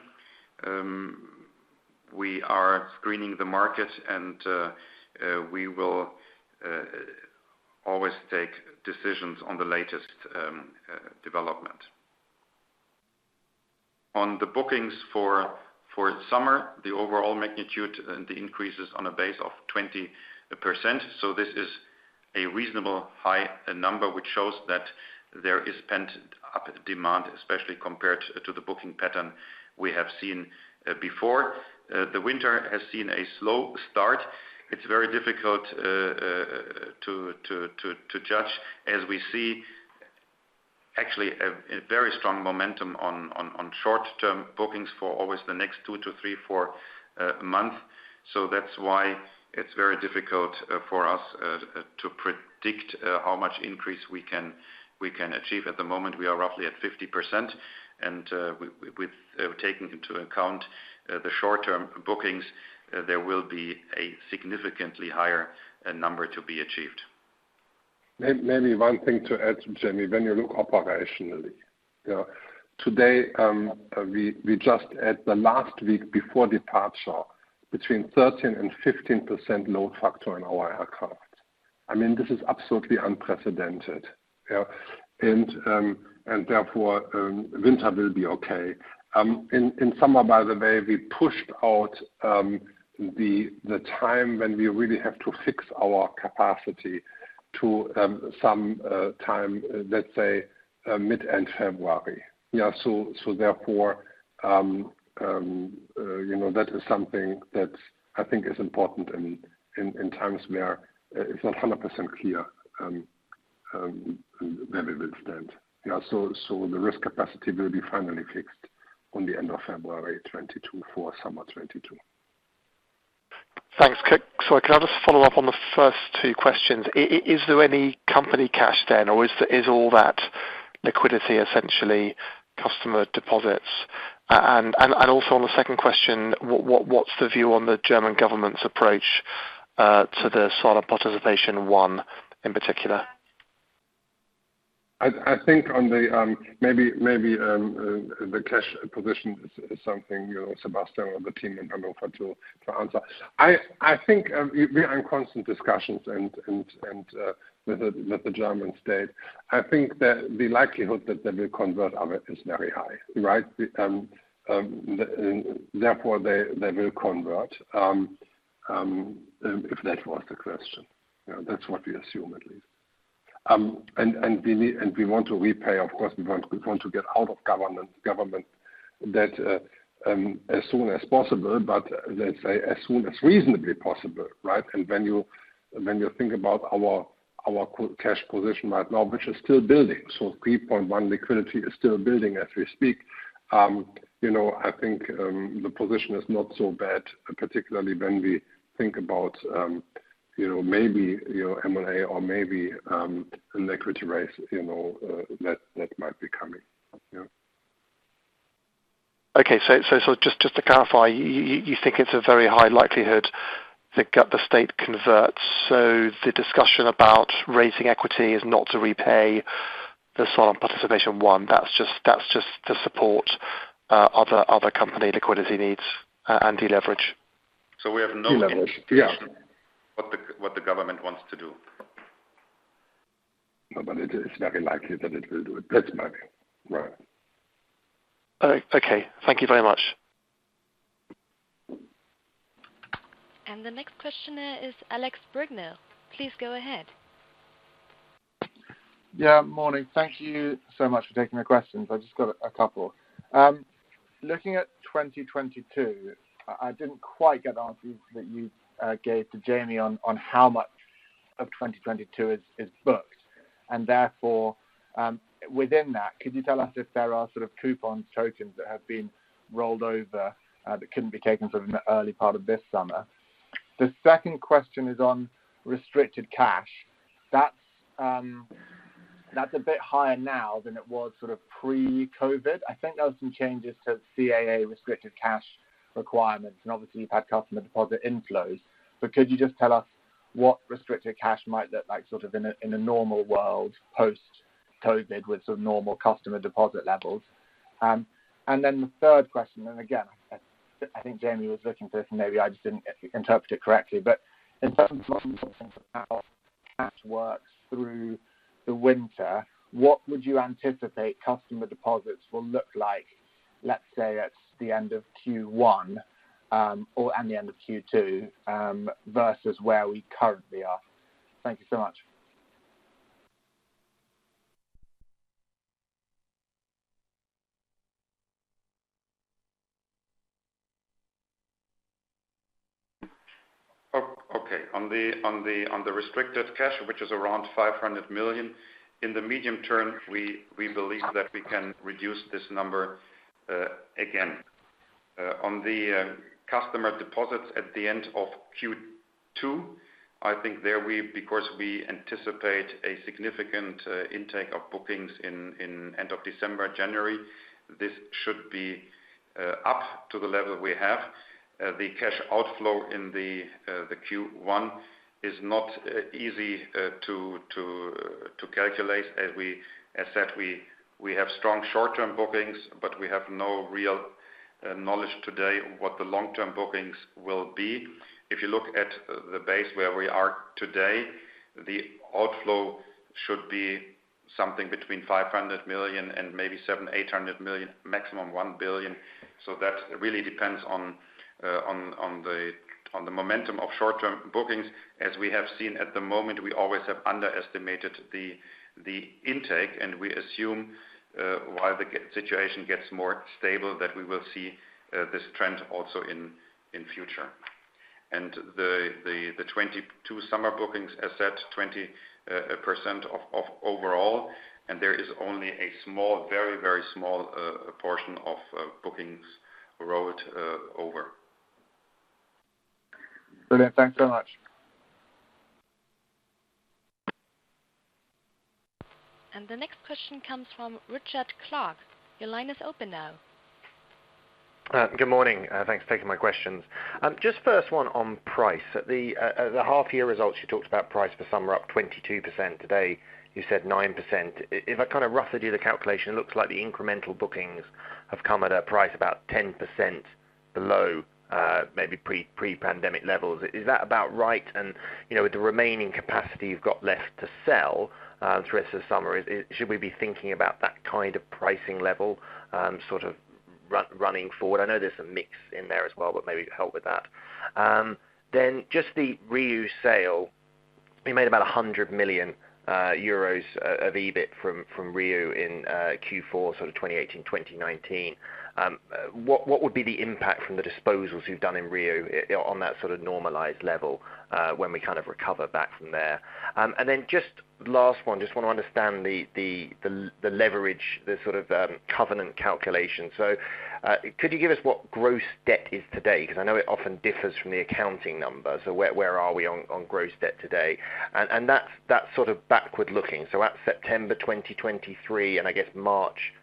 We are screening the market, and we will always take decisions on the latest development. On the bookings for summer, the overall magnitude and the increases on a base of 20%. A reasonable high number which shows that there is pent-up demand, especially compared to the booking pattern we have seen before. The winter has seen a slow start. It's very difficult to judge as we see actually a very strong momentum on short-term bookings for always the next two, three, four months. That's why it's very difficult for us to predict how much increase we can achieve. At the moment, we are roughly at 50% and with taking into account the short-term bookings, there will be a significantly higher number to be achieved. Maybe one thing to add, Jamie, when you look operationally. Today, we, at the last week before departure, between 13% and 15% load factor in our aircraft. This is absolutely unprecedented. Therefore, winter will be okay. In summer, by the way, we pushed out the time when we really have to fix our capacity to some time, let's say mid-February. Therefore, that is something that I think is important in times where it's not 100% clear where we will stand. The risk capacity will be finally fixed on the end of February 2022 for summer 2022. Thanks. Sorry, can I just follow up on the first two questions? Is there any company cash then? Or is all that liquidity essentially customer deposits? Also on the second question, what's the view on the German government's approach to the Silent Participation I in particular? The cash position is something Sebastian or the team in Hannover to answer. We are in constant discussions with the German state. The likelihood that they will convert of it is very high. They will convert, if that was the question. That's what we assume, at least. We want to repay, of course, we want to get out of government debt as soon as possible, but let's say as soon as reasonably possible, right? When you think about our cash position right now, which is still building, so 3.1 liquidity is still building as we speak. The position is not so bad, particularly when we think about maybe M&A or maybe an equity raise that might be coming. Okay. Just to clarify, you think it's a very high likelihood that the state converts, so the discussion about raising equity is not to repay the Silent Participation I. That's just to support other company liquidity needs and deleverage? We have no indication. Deleverage. Yeah what the government wants to do. It is very likely that it will do it. Let's make it right. Okay. Thank you very much. The next question is Alex Brignall. Please go ahead. Morning. Thank you so much for taking my questions. I just got a couple. Looking at 2022, I didn't quite get answers that you gave to Jamie on how much of 2022 is booked. Therefore, within that, could you tell us if there are sort of coupons, tokens that have been rolled over that couldn't be taken from the early part of this summer? The second question is on restricted cash. That's a bit higher now than it was sort of pre-COVID. I think there was some changes to CAA restricted cash requirements, and obviously you've had customer deposit inflows. Could you just tell us what restricted cash might look like sort of in a normal world post-COVID with sort of normal customer deposit levels? The third question, again, I think Jamie was looking for this and maybe I just didn't interpret it correctly, but in terms of how cash works through the winter, what would you anticipate customer deposits will look like, let's say at the end of Q1, or, and the end of Q2, versus where we currently are? Thank you so much. Okay. On the restricted cash, which is around 500 million, in the medium term, we believe that we can reduce this number, again. On the customer deposits at the end of Q2, I think there, because we anticipate a significant intake of bookings in end of December, January, this should be up to the level we have. The cash outflow in the Q1 is not easy to calculate. As said, we have strong short-term bookings, but we have no real knowledge today what the long-term bookings will be. If you look at the base where we are today, the outflow should be something between 500 million and maybe 700 million, 800 million, maximum 1 billion. That really depends on the momentum of short-term bookings. As we have seen at the moment, we always have underestimated the intake, and we assume, while the situation gets more stable, that we will see this trend also in future. The 2022 summer bookings are set 20% of overall, and there is only a very, very small portion of bookings rolled over. Brilliant. Thanks so much. The next question comes from Richard Clarke. Your line is open now. Good morning. Thanks for taking my questions. Just first one on price. At the half year results, you talked about price for summer up 22%. Today, you said 9%. If I roughly do the calculation, it looks like the incremental bookings have come at a price about 10% below maybe pre-pandemic levels. Is that about right? With the remaining capacity you've got left to sell through the rest of summer, should we be thinking about that kind of pricing level sort of running forward? I know there's a mix in there as well, but maybe you could help with that. Just the RIU sale, you made about 100 million euros of EBIT from RIU in Q4 2018, 2019. What would be the impact from the disposals you've done in RIU on that sort of normalized level, when we recover back from there? Just last one, just want to understand the leverage, the sort of covenant calculation. Could you give us what gross debt is today? Because I know it often differs from the accounting number. Where are we on gross debt today? That's sort of backward-looking. At September 2023, and I guess March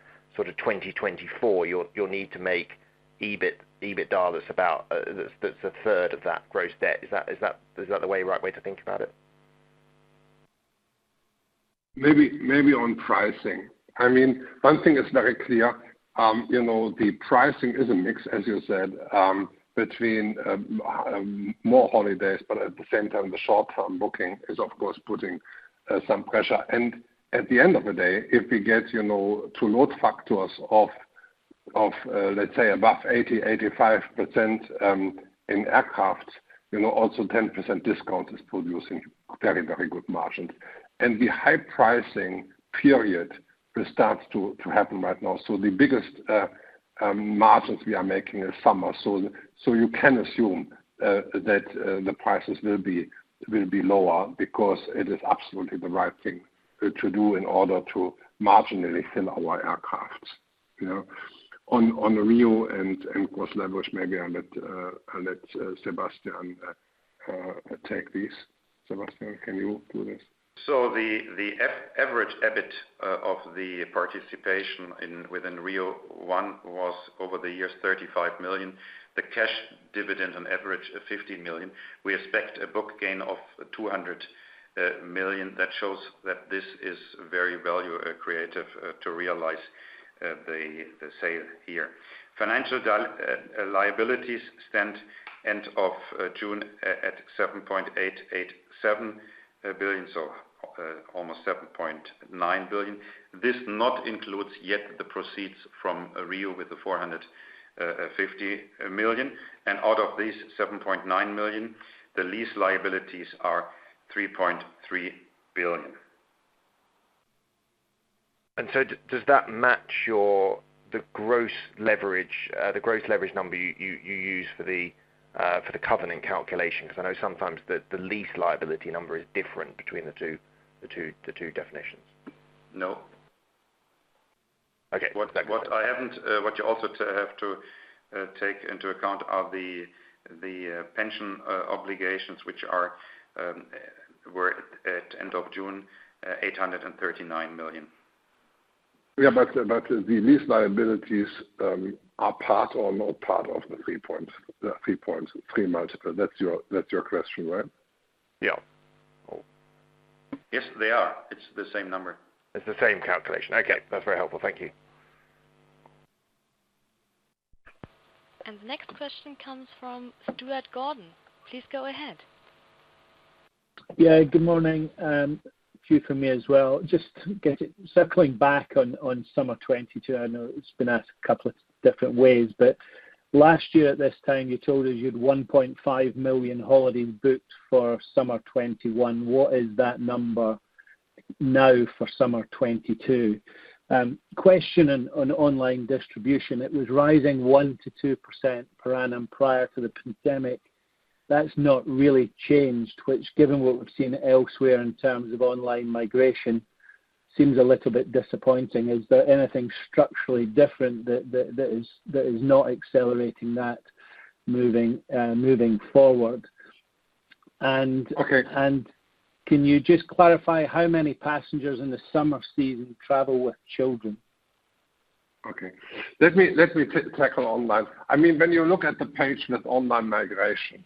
2024, you'll need to make EBIT dollars that's a third of that gross debt. Is that the right way to think about it? Maybe on pricing. One thing is very clear. The pricing is a mix, as you said, between more holidays, but at the same time, the short-term booking is, of course, putting some pressure. At the end of the day, if we get to load factors of let's say above 80%, 85% in aircraft, also 10% discount is producing very, very good margins. The high pricing period will start to happen right now. The biggest margins we are making is summer. You can assume that the prices will be lower because it is absolutely the right thing to do in order to marginally fill our aircrafts. On RIU and gross leverage, maybe I let Sebastian take this. Sebastian, can you do this? The average EBIT of the participation within RIU was over the years 35 million. The cash dividend on average, 15 million. We expect a book gain of 200 million. That shows that this is very value creative to realize the sale here. Financial liabilities stand end of June at 7.887 billion, so almost 7.9 billion. This not includes yet the proceeds from RIU with the 450 million. Out of these 7.9 billion, the lease liabilities are 3.3 billion. Does that match the gross leverage number you use for the covenant calculation? I know sometimes the lease liability number is different between the two definitions. No. Okay. What you also have to take into account are the pension obligations, which were at end of June, 839 million. Yeah, the lease liabilities are part or not part of the 3.3 multiple. That's your question, right? Yeah. Yes, they are. It's the same number. It's the same calculation. Okay. That's very helpful. Thank you. The next question comes from Stuart Gordon. Please go ahead. Yeah, good morning. A few from me as well. Just circling back on summer 2022. Last year at this time, you told us you had 1.5 million holidays booked for summer 2021. What is that number now for summer 2022? Question on online distribution. It was rising 1%-2% per annum prior to the pandemic. That's not really changed, which given what we've seen elsewhere in terms of online migration, seems a little bit disappointing. Is there anything structurally different that is not accelerating that moving forward? Okay. Can you just clarify how many passengers in the summer season travel with children? Okay. Let me tackle online. When you look at the page with online migration,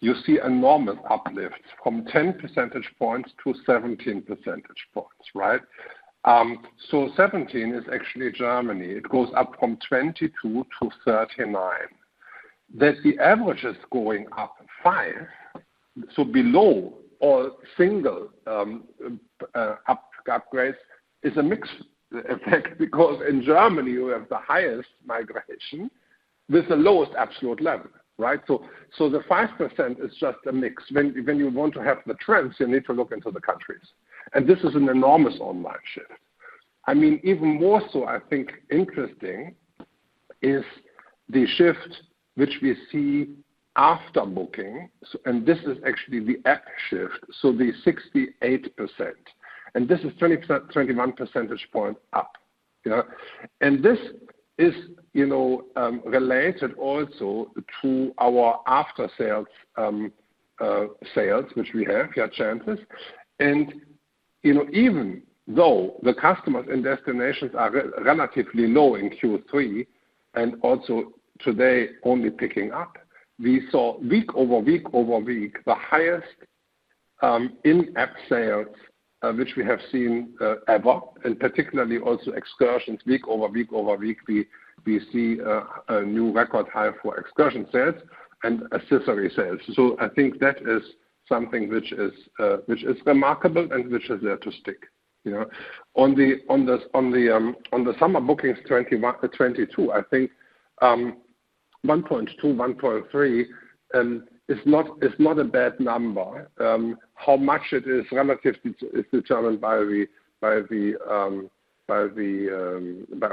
you see enormous uplift from 10 percentage points to 17 percentage points, right? 17 is actually Germany. It goes up from 22 to 39. That the average is going up five. Below all single upgrades is a mixed effect because in Germany you have the highest migration with the lowest absolute level, right? The 5% is just a mix. When you want to have the trends, you need to look into the countries. This is an enormous online shift. Even more so, I think, interesting is the shift which we see after booking. This is actually the up shift, the 68%. This is 21 percentage point up. This is related also to our after sales, which we have here at channels. Even though the customers and destinations are relatively low in Q3, and also today only picking up, we saw week over week, the highest in-app sales, which we have seen ever, and particularly also excursions week over week, we see a new record high for excursion sales and accessory sales. I think that is something which is remarkable and which is there to stick. On the summer bookings 2022, I think, 1.2, 1.3, is not a bad number. How much it is relatively is determined by, of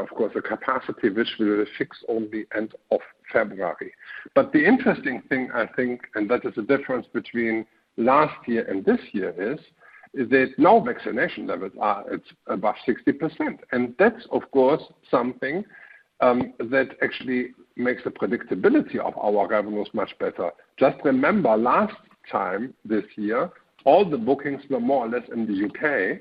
course, the capacity which we will fix only end of February. The interesting thing, I think, and that is the difference between last year and this year is that now vaccination levels are at above 60%. That's, of course, something that actually makes the predictability of our revenues much better. Just remember last time this year, all the bookings were more or less in the U.K.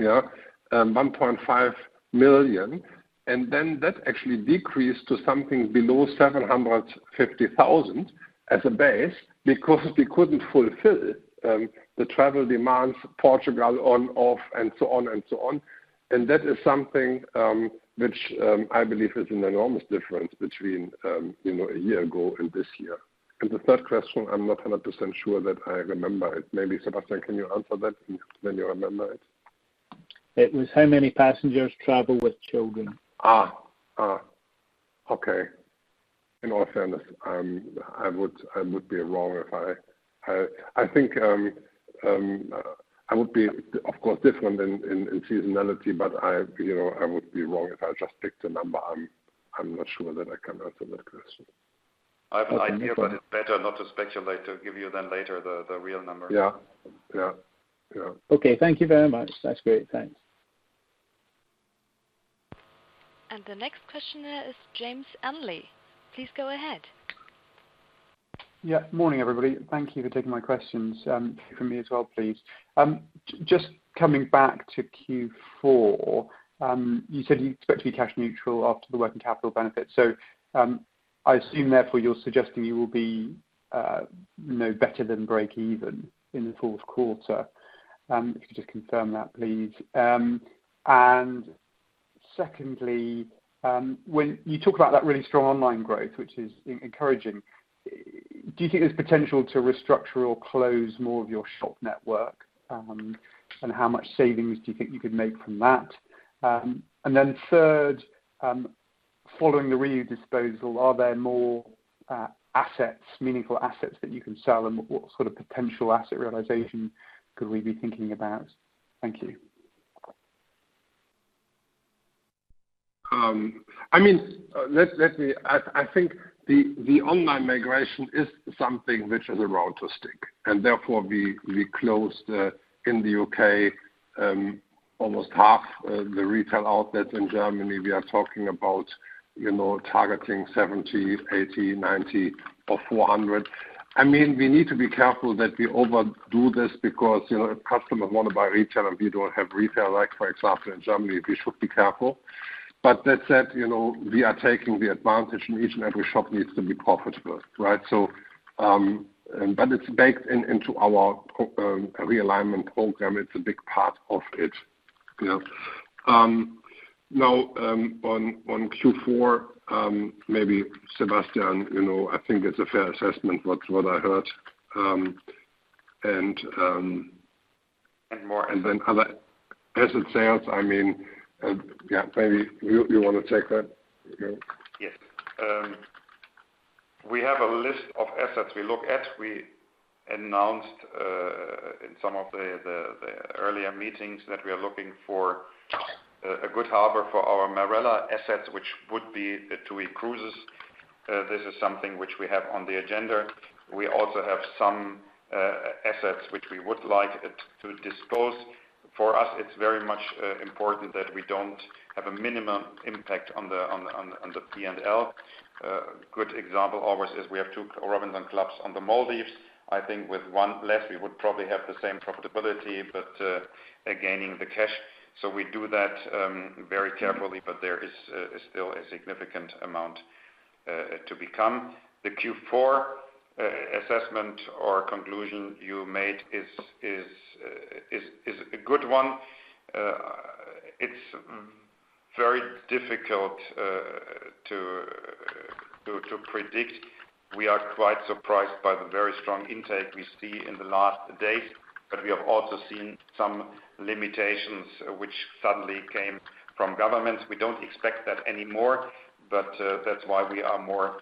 1.5 million, and then that actually decreased to something below 750,000 as a base because we couldn't fulfill the travel demands, Portugal on, off, and so on. That is something which I believe is an enormous difference between a year ago and this year. The third question, I'm not 100% sure that I remember it. Maybe Sebastian, can you answer that when you remember it? It was how many passengers travel with children? Okay. In all fairness, I would be wrong if I think I would be, of course, different in seasonality, I would be wrong if I just picked a number. I'm not sure that I can answer that question. I have an idea, but it's better not to speculate, to give you then later the real number. Yeah. Okay. Thank you very much. That's great. Thanks. The next questioner is James Ainley. Please go ahead. Morning, everybody. Thank you for taking my questions. Three from me as well, please. Just coming back to Q4, you said you expect to be cash neutral after the working capital benefit. I assume therefore you are suggesting you will be no better than break even in the fourth quarter. If you could just confirm that, please. Secondly, when you talk about that really strong online growth, which is encouraging, do you think there is potential to restructure or close more of your shop network? How much savings do you think you could make from that? Third, following the RIU disposal, are there more assets, meaningful assets that you can sell, and what sort of potential asset realization could we be thinking about? Thank you. I think the online migration is something which is around to stick. Therefore, we closed in the U.K. almost half the retail outlets. In Germany, we are talking about targeting 70, 80, 90 of 400. We need to be careful that we overdo this because customers want to buy retail. We don't have retail, like, for example, in Germany, we should be careful. That said, we are taking the advantage. Each and every shop needs to be profitable, right? It's baked into our Realignment Programme. It's a big part of it. Now, on Q4, maybe Sebastian, I think it's a fair assessment what I heard. And more- Other asset sales, maybe you want to take that? Yes. We have a list of assets we look at. We announced in some of the earlier meetings that we are looking for a good harbor for our Marella assets, which would be the TUI Cruises. This is something which we have on the agenda. We also have some assets which we would like to dispose. For us, it's very much important that we don't have a minimum impact on the P&L. Good example, ours is we have two ROBINSON clubs on the Maldives. I think with one less, we would probably have the same profitability, but gaining the cash. We do that very carefully, but there is still a significant amount to become. The Q4 assessment or conclusion you made is a good one. It's very difficult to predict. We are quite surprised by the very strong intake we see in the last days, but we have also seen some limitations which suddenly came from governments. We don't expect that anymore, but that's why we are more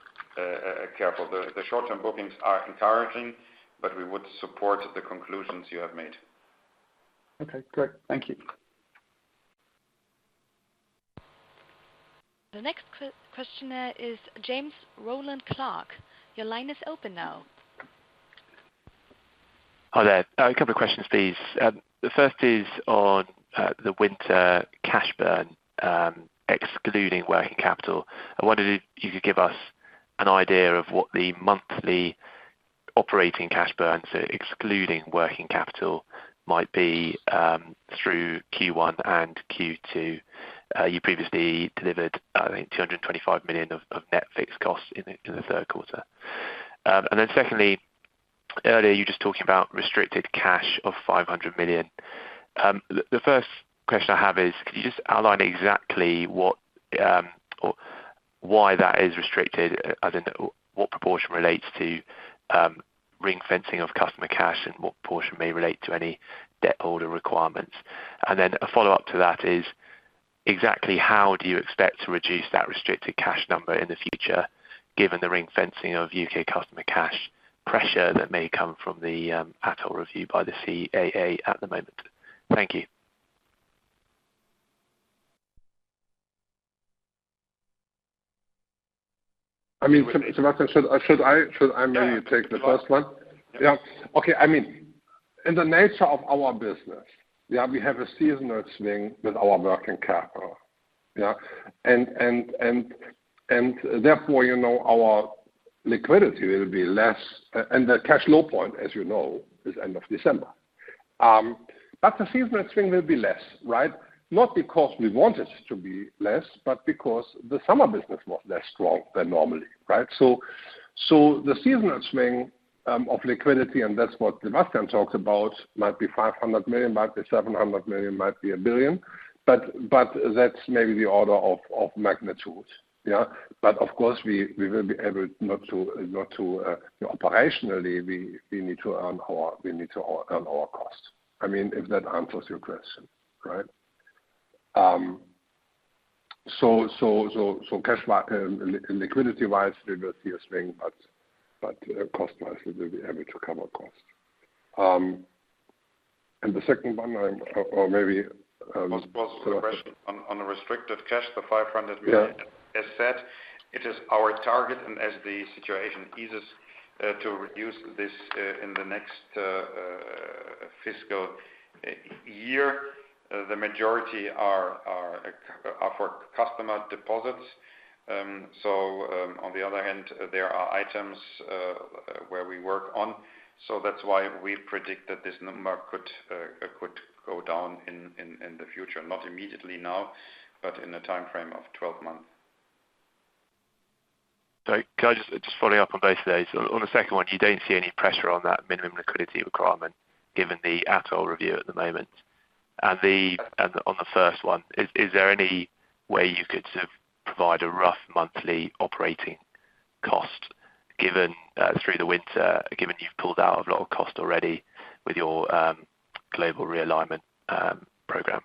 careful. The short-term bookings are encouraging, but we would support the conclusions you have made. Okay, great. Thank you. The next question is James Rowland Clark. Your line is open now. Hi there. A couple of questions, please. The first is on the winter cash burn, excluding working capital. I wondered if you could give us an idea of what the monthly operating cash burn, so excluding working capital, might be through Q1 and Q2. You previously delivered, I think, 225 million of net fixed costs in the third quarter. Secondly, earlier you were just talking about restricted cash of 500 million. The first question I have is, could you just outline exactly why that is restricted? I don't know what proportion relates to ring-fencing of customer cash and what portion may relate to any debt holder requirements. A follow-up to that is exactly how do you expect to reduce that restricted cash number in the future, given the ring-fencing of U.K. customer cash pressure that may come from the ATOL review by the CAA at the moment? Thank you. I mean, Sebastian, should I maybe take the first one? Yeah. Okay. I mean, in the nature of our business, we have a seasonal swing with our working capital. Yeah. Therefore, our liquidity will be less, and the cash low point, as you know, is end of December. The seasonal swing will be less, right? Not because we want it to be less, but because the summer business was less strong than normal. Right? The seasonal swing of liquidity, and that's what Sebastian talked about, might be 500 million, might be 700 million, might be 1 billion. That's maybe the order of magnitudes. Yeah. Operationally, we need to earn our costs. I mean, if that answers your question, right? In liquidity wise, there will be a swing, cost wise, we will be able to cover costs. The second one. On the restricted cash, the 500 million. Yeah as said, it is our target, and as the situation eases, to reduce this in the next fiscal year. The majority are for customer deposits. On the other hand, there are items where we work on. That's why we predict that this number could go down in the future. Not immediately now, but in the timeframe of 12 months. Can I just follow up on both of those? On the second one, you don't see any pressure on that minimum liquidity requirement given the ATOL review at the moment. On the first one, is there any way you could sort of provide a rough monthly operating cost through the winter, given you've pulled out a lot of cost already with your Global Realignment Program?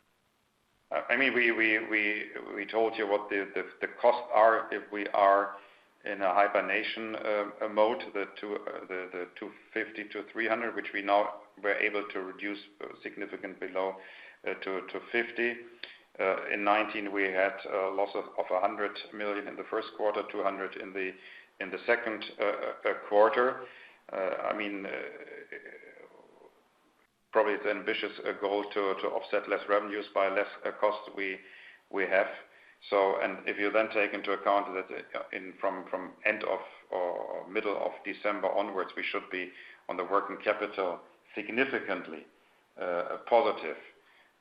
I mean, we told you what the costs are if we are in a hibernation mode, the 250 million-300 million, which we now were able to reduce significantly low to 50 million. In 2019, we had a loss of 100 million in the first quarter, 200 million in the second quarter. I mean, probably it's ambitious goal to offset less revenues by less cost we have. If you then take into account that from end of or middle of December onwards, we should be on the working capital significantly positive.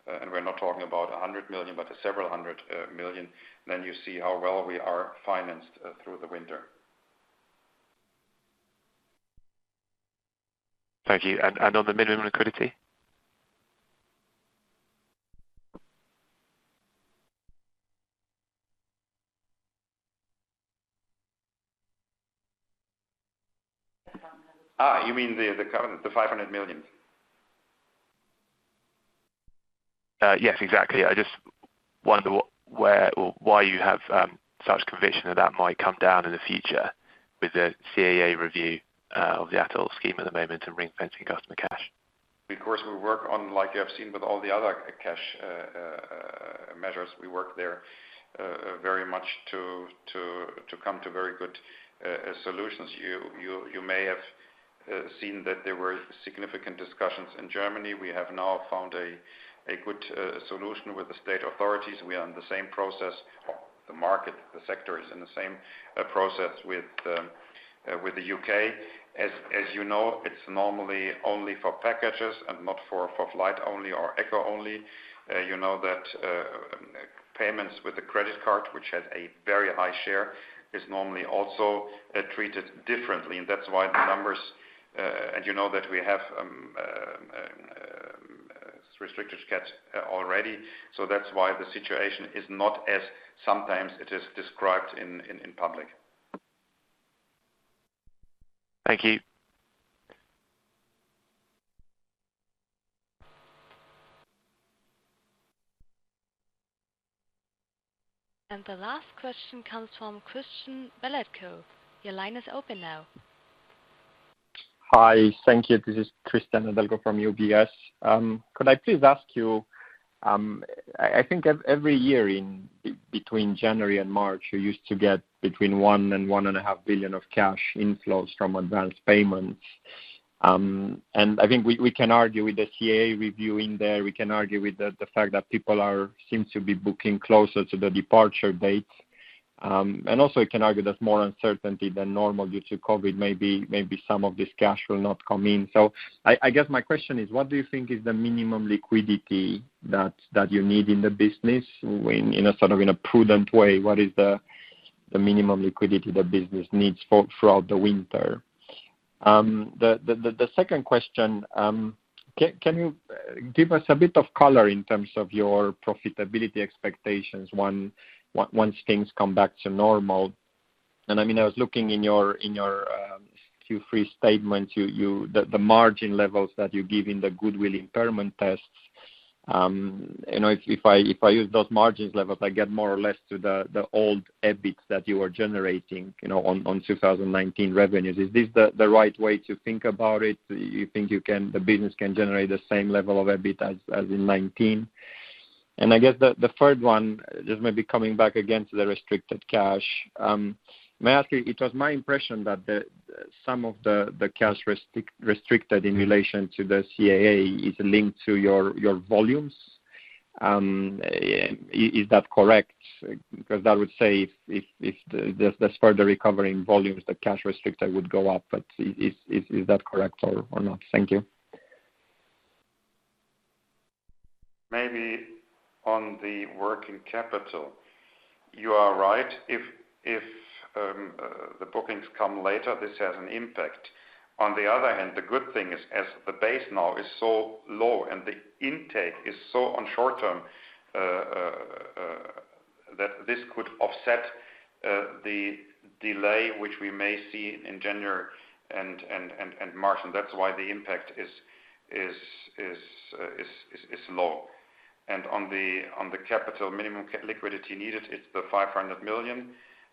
We're not talking about 100 million, but several hundred million euros, then you see how well we are financed through the winter. Thank you. On the minimum liquidity? You mean the EUR 500 million. Yes, exactly. I just wonder why you have such conviction that might come down in the future with the CAA review of the ATOL scheme at the moment and ring-fencing customer cash. Of course, we work on, like you have seen with all the other cash measures, we work there very much to come to very good solutions. You may have seen that there were significant discussions in Germany. We have now found a good solution with the state authorities. We are in the same process. The market, the sector is in the same process with the U.K. As you know, it's normally only for packages and not for flight only or accom only. You know that payments with the credit card, which has a very high share, is normally also treated differently. That's why the numbers, and you know that we have restricted cash already. That's why the situation is not as sometimes it is described in public. Thank you. The last question comes from Cristian Nedelcu. Your line is open now. Hi. Thank you. This is Cristian Nedelcu from UBS. Could I please ask you, I think every year between January and March, you used to get between 1 billion and 1.5 billion of cash inflows from advanced payments. I think we can argue with the CAA review in there, we can argue with the fact that people seem to be booking closer to the departure date. Also you can argue there's more uncertainty than normal due to COVID, maybe some of this cash will not come in. I guess my question is, what is the minimum liquidity the business needs, in a prudent way, for throughout the winter? The second question, can you give us a bit of color in terms of your profitability expectations once things come back to normal? I was looking in your Q3 statement, the margin levels that you give in the goodwill impairment tests. If I use those margins levels, I get more or less to the old EBITs that you were generating on 2019 revenues. Is this the right way to think about it? Do you think the business can generate the same level of EBIT as in 2019? I guess the third one, just maybe coming back again to the restricted cash. May I ask you, it was my impression that some of the cash restricted in relation to the CAA is linked to your volumes. Is that correct? That would say if there's further recovery in volumes, the cash restricted would go up. Is that correct or not? Thank you. Maybe on the working capital. You are right. If the bookings come later, this has an impact. On the other hand, the good thing is, as the base now is so low and the intake is so on short-term, that this could offset the delay, which we may see in January and March. That's why the impact is low. On the capital minimum liquidity needed, it's the 500 million.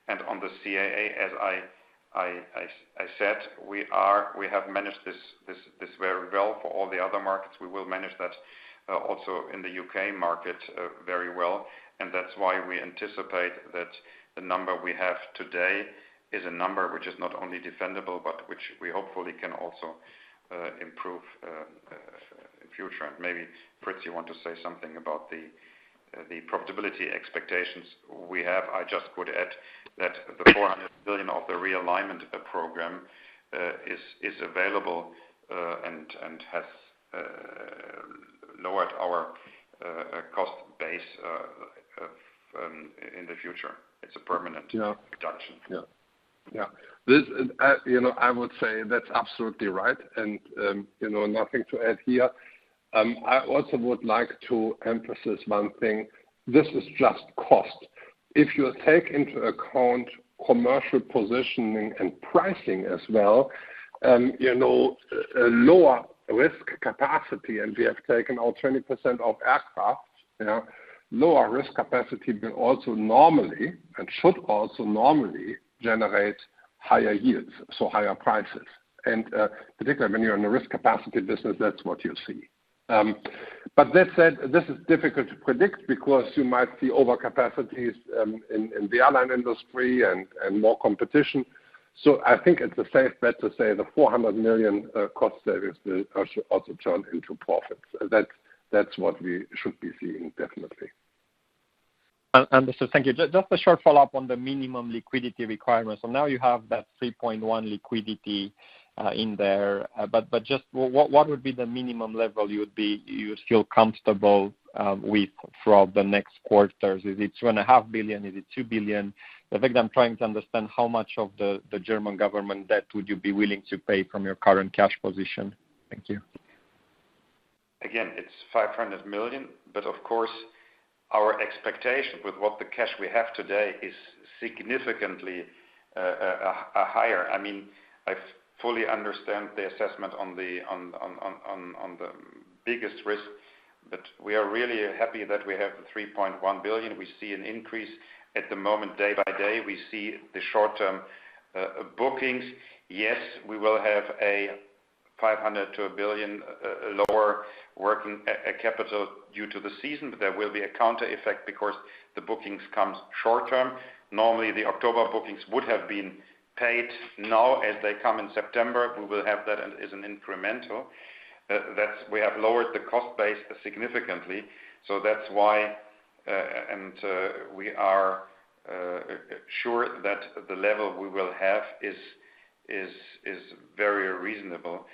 On the CAA, as I said, we have managed this very well for all the other markets. We will manage that also in the U.K. market very well. That's why we anticipate that the number we have today is a number which is not only defendable, but which we hopefully can also improve in future. Maybe Fritz, you want to say something about the profitability expectations we have. I just would add that the EUR 400 million of the Realignment Programme is available and has lowered our cost base in the future. Yeah reduction. Yeah. I would say that's absolutely right. Nothing to add here. I also would like to emphasize one thing. This is just cost. If you take into account commercial positioning and pricing as well, lower risk capacity, and we have taken out 20% of aircraft. Lower risk capacity will also normally, and should also normally generate higher yields, so higher prices. Particularly when you're in a risk capacity business, that's what you'll see. This said, this is difficult to predict because you might see overcapacities in the airline industry and more competition. I think it's a safe bet to say the 400 million cost savings will also turn into profits. That's what we should be seeing definitely. Understood. Thank you. Just a short follow-up on the minimum liquidity requirement. Now you have that 3.1 billion liquidity in there. Just what would be the minimum level you would feel comfortable with throughout the next quarters? Is it 2.5 billion? Is it 2 billion? I think I'm trying to understand how much of the German government debt would you be willing to pay from your current cash position. Thank you. It's 500 million, of course our expectation with what the cash we have today is significantly higher. I fully understand the assessment on the biggest risk, we are really happy that we have the 3.1 billion. We see an increase at the moment day by day. We see the short-term bookings. We will have a 500 million-1 billion lower working capital due to the season, there will be a counter effect because the bookings comes short-term. Normally, the October bookings would have been paid now. As they come in September, we will have that as an incremental, that we have lowered the cost base significantly. That's why, and we are sure that the level we will have is very reasonable.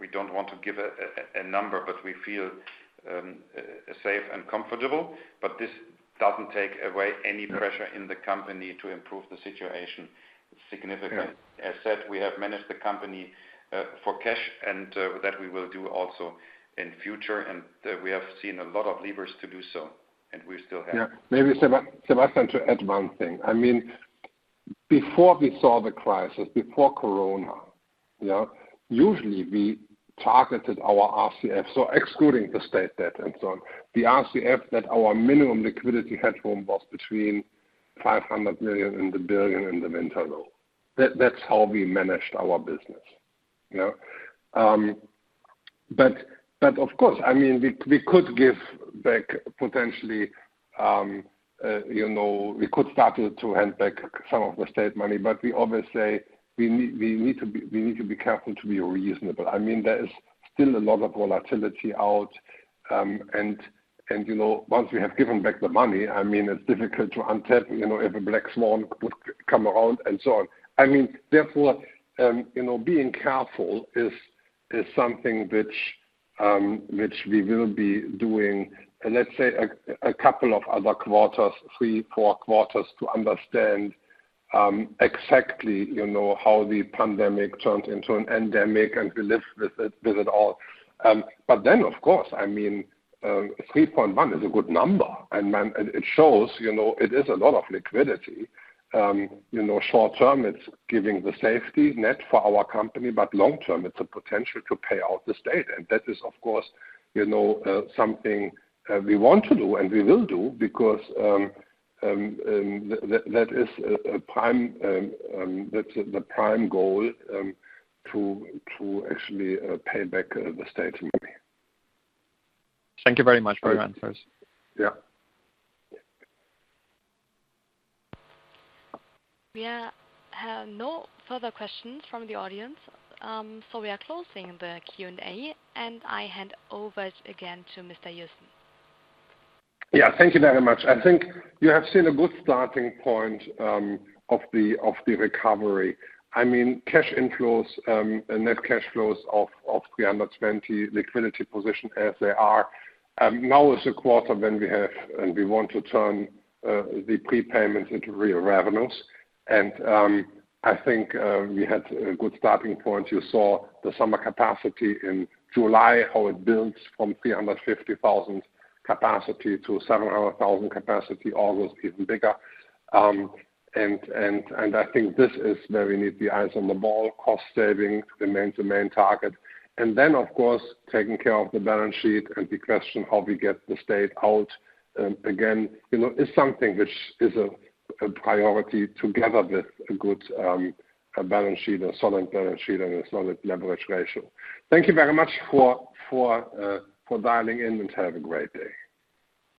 We don't want to give a number, but we feel safe and comfortable, but this doesn't take away any pressure in the company to improve the situation significantly. Yeah. As said, we have managed the company for cash, and that we will do also in future, and we have seen a lot of levers to do so, and we still have. Yeah. Maybe, Sebastian, to add one thing. Before we saw the crisis, before COVID, usually we targeted our RCF, so excluding the state debt and so on, the RCF that our minimum liquidity headroom was between 500 million and 1 billion in the meantime. That's how we managed our business. Of course, we could start to hand back some of the state money. We always say, we need to be careful to be reasonable. There is still a lot of volatility out, and once we have given back the money, it's difficult to unpick, if a black swan would come around and so on. Therefore, being careful is something which we will be doing, let's say, a couple of other quarters, three, four quarters, to understand exactly how the pandemic turns into an endemic and we live with it all. Of course, 3.1 billion is a good number, and it shows it is a lot of liquidity. Short term, it's giving the safety net for our company, but long term, it's a potential to pay out the state. That is, of course, something we want to do and we will do because that's the prime goal, to actually pay back the state money. Thank you very much for your answers. Yeah. We have no further questions from the audience. We are closing the Q&A, and I hand over again to Mr. Joussen. Thank you very much. I think you have seen a good starting point of the recovery. Cash inflows and net cash flows of 320 million. Liquidity position as they are. Now is the quarter we want to turn the prepayment into real revenues. I think we had a good starting point. You saw the summer capacity in July, how it builds from 350,000 capacity to 700,000 capacity. August, even bigger. I think this is where we need the eyes on the ball. Cost saving remains the main target. Then, of course, taking care of the balance sheet and the question how we get the state out again, is something which is a priority together with a good balance sheet and a solid balance sheet and a solid leverage ratio. Thank you very much for dialing in, and have a great day.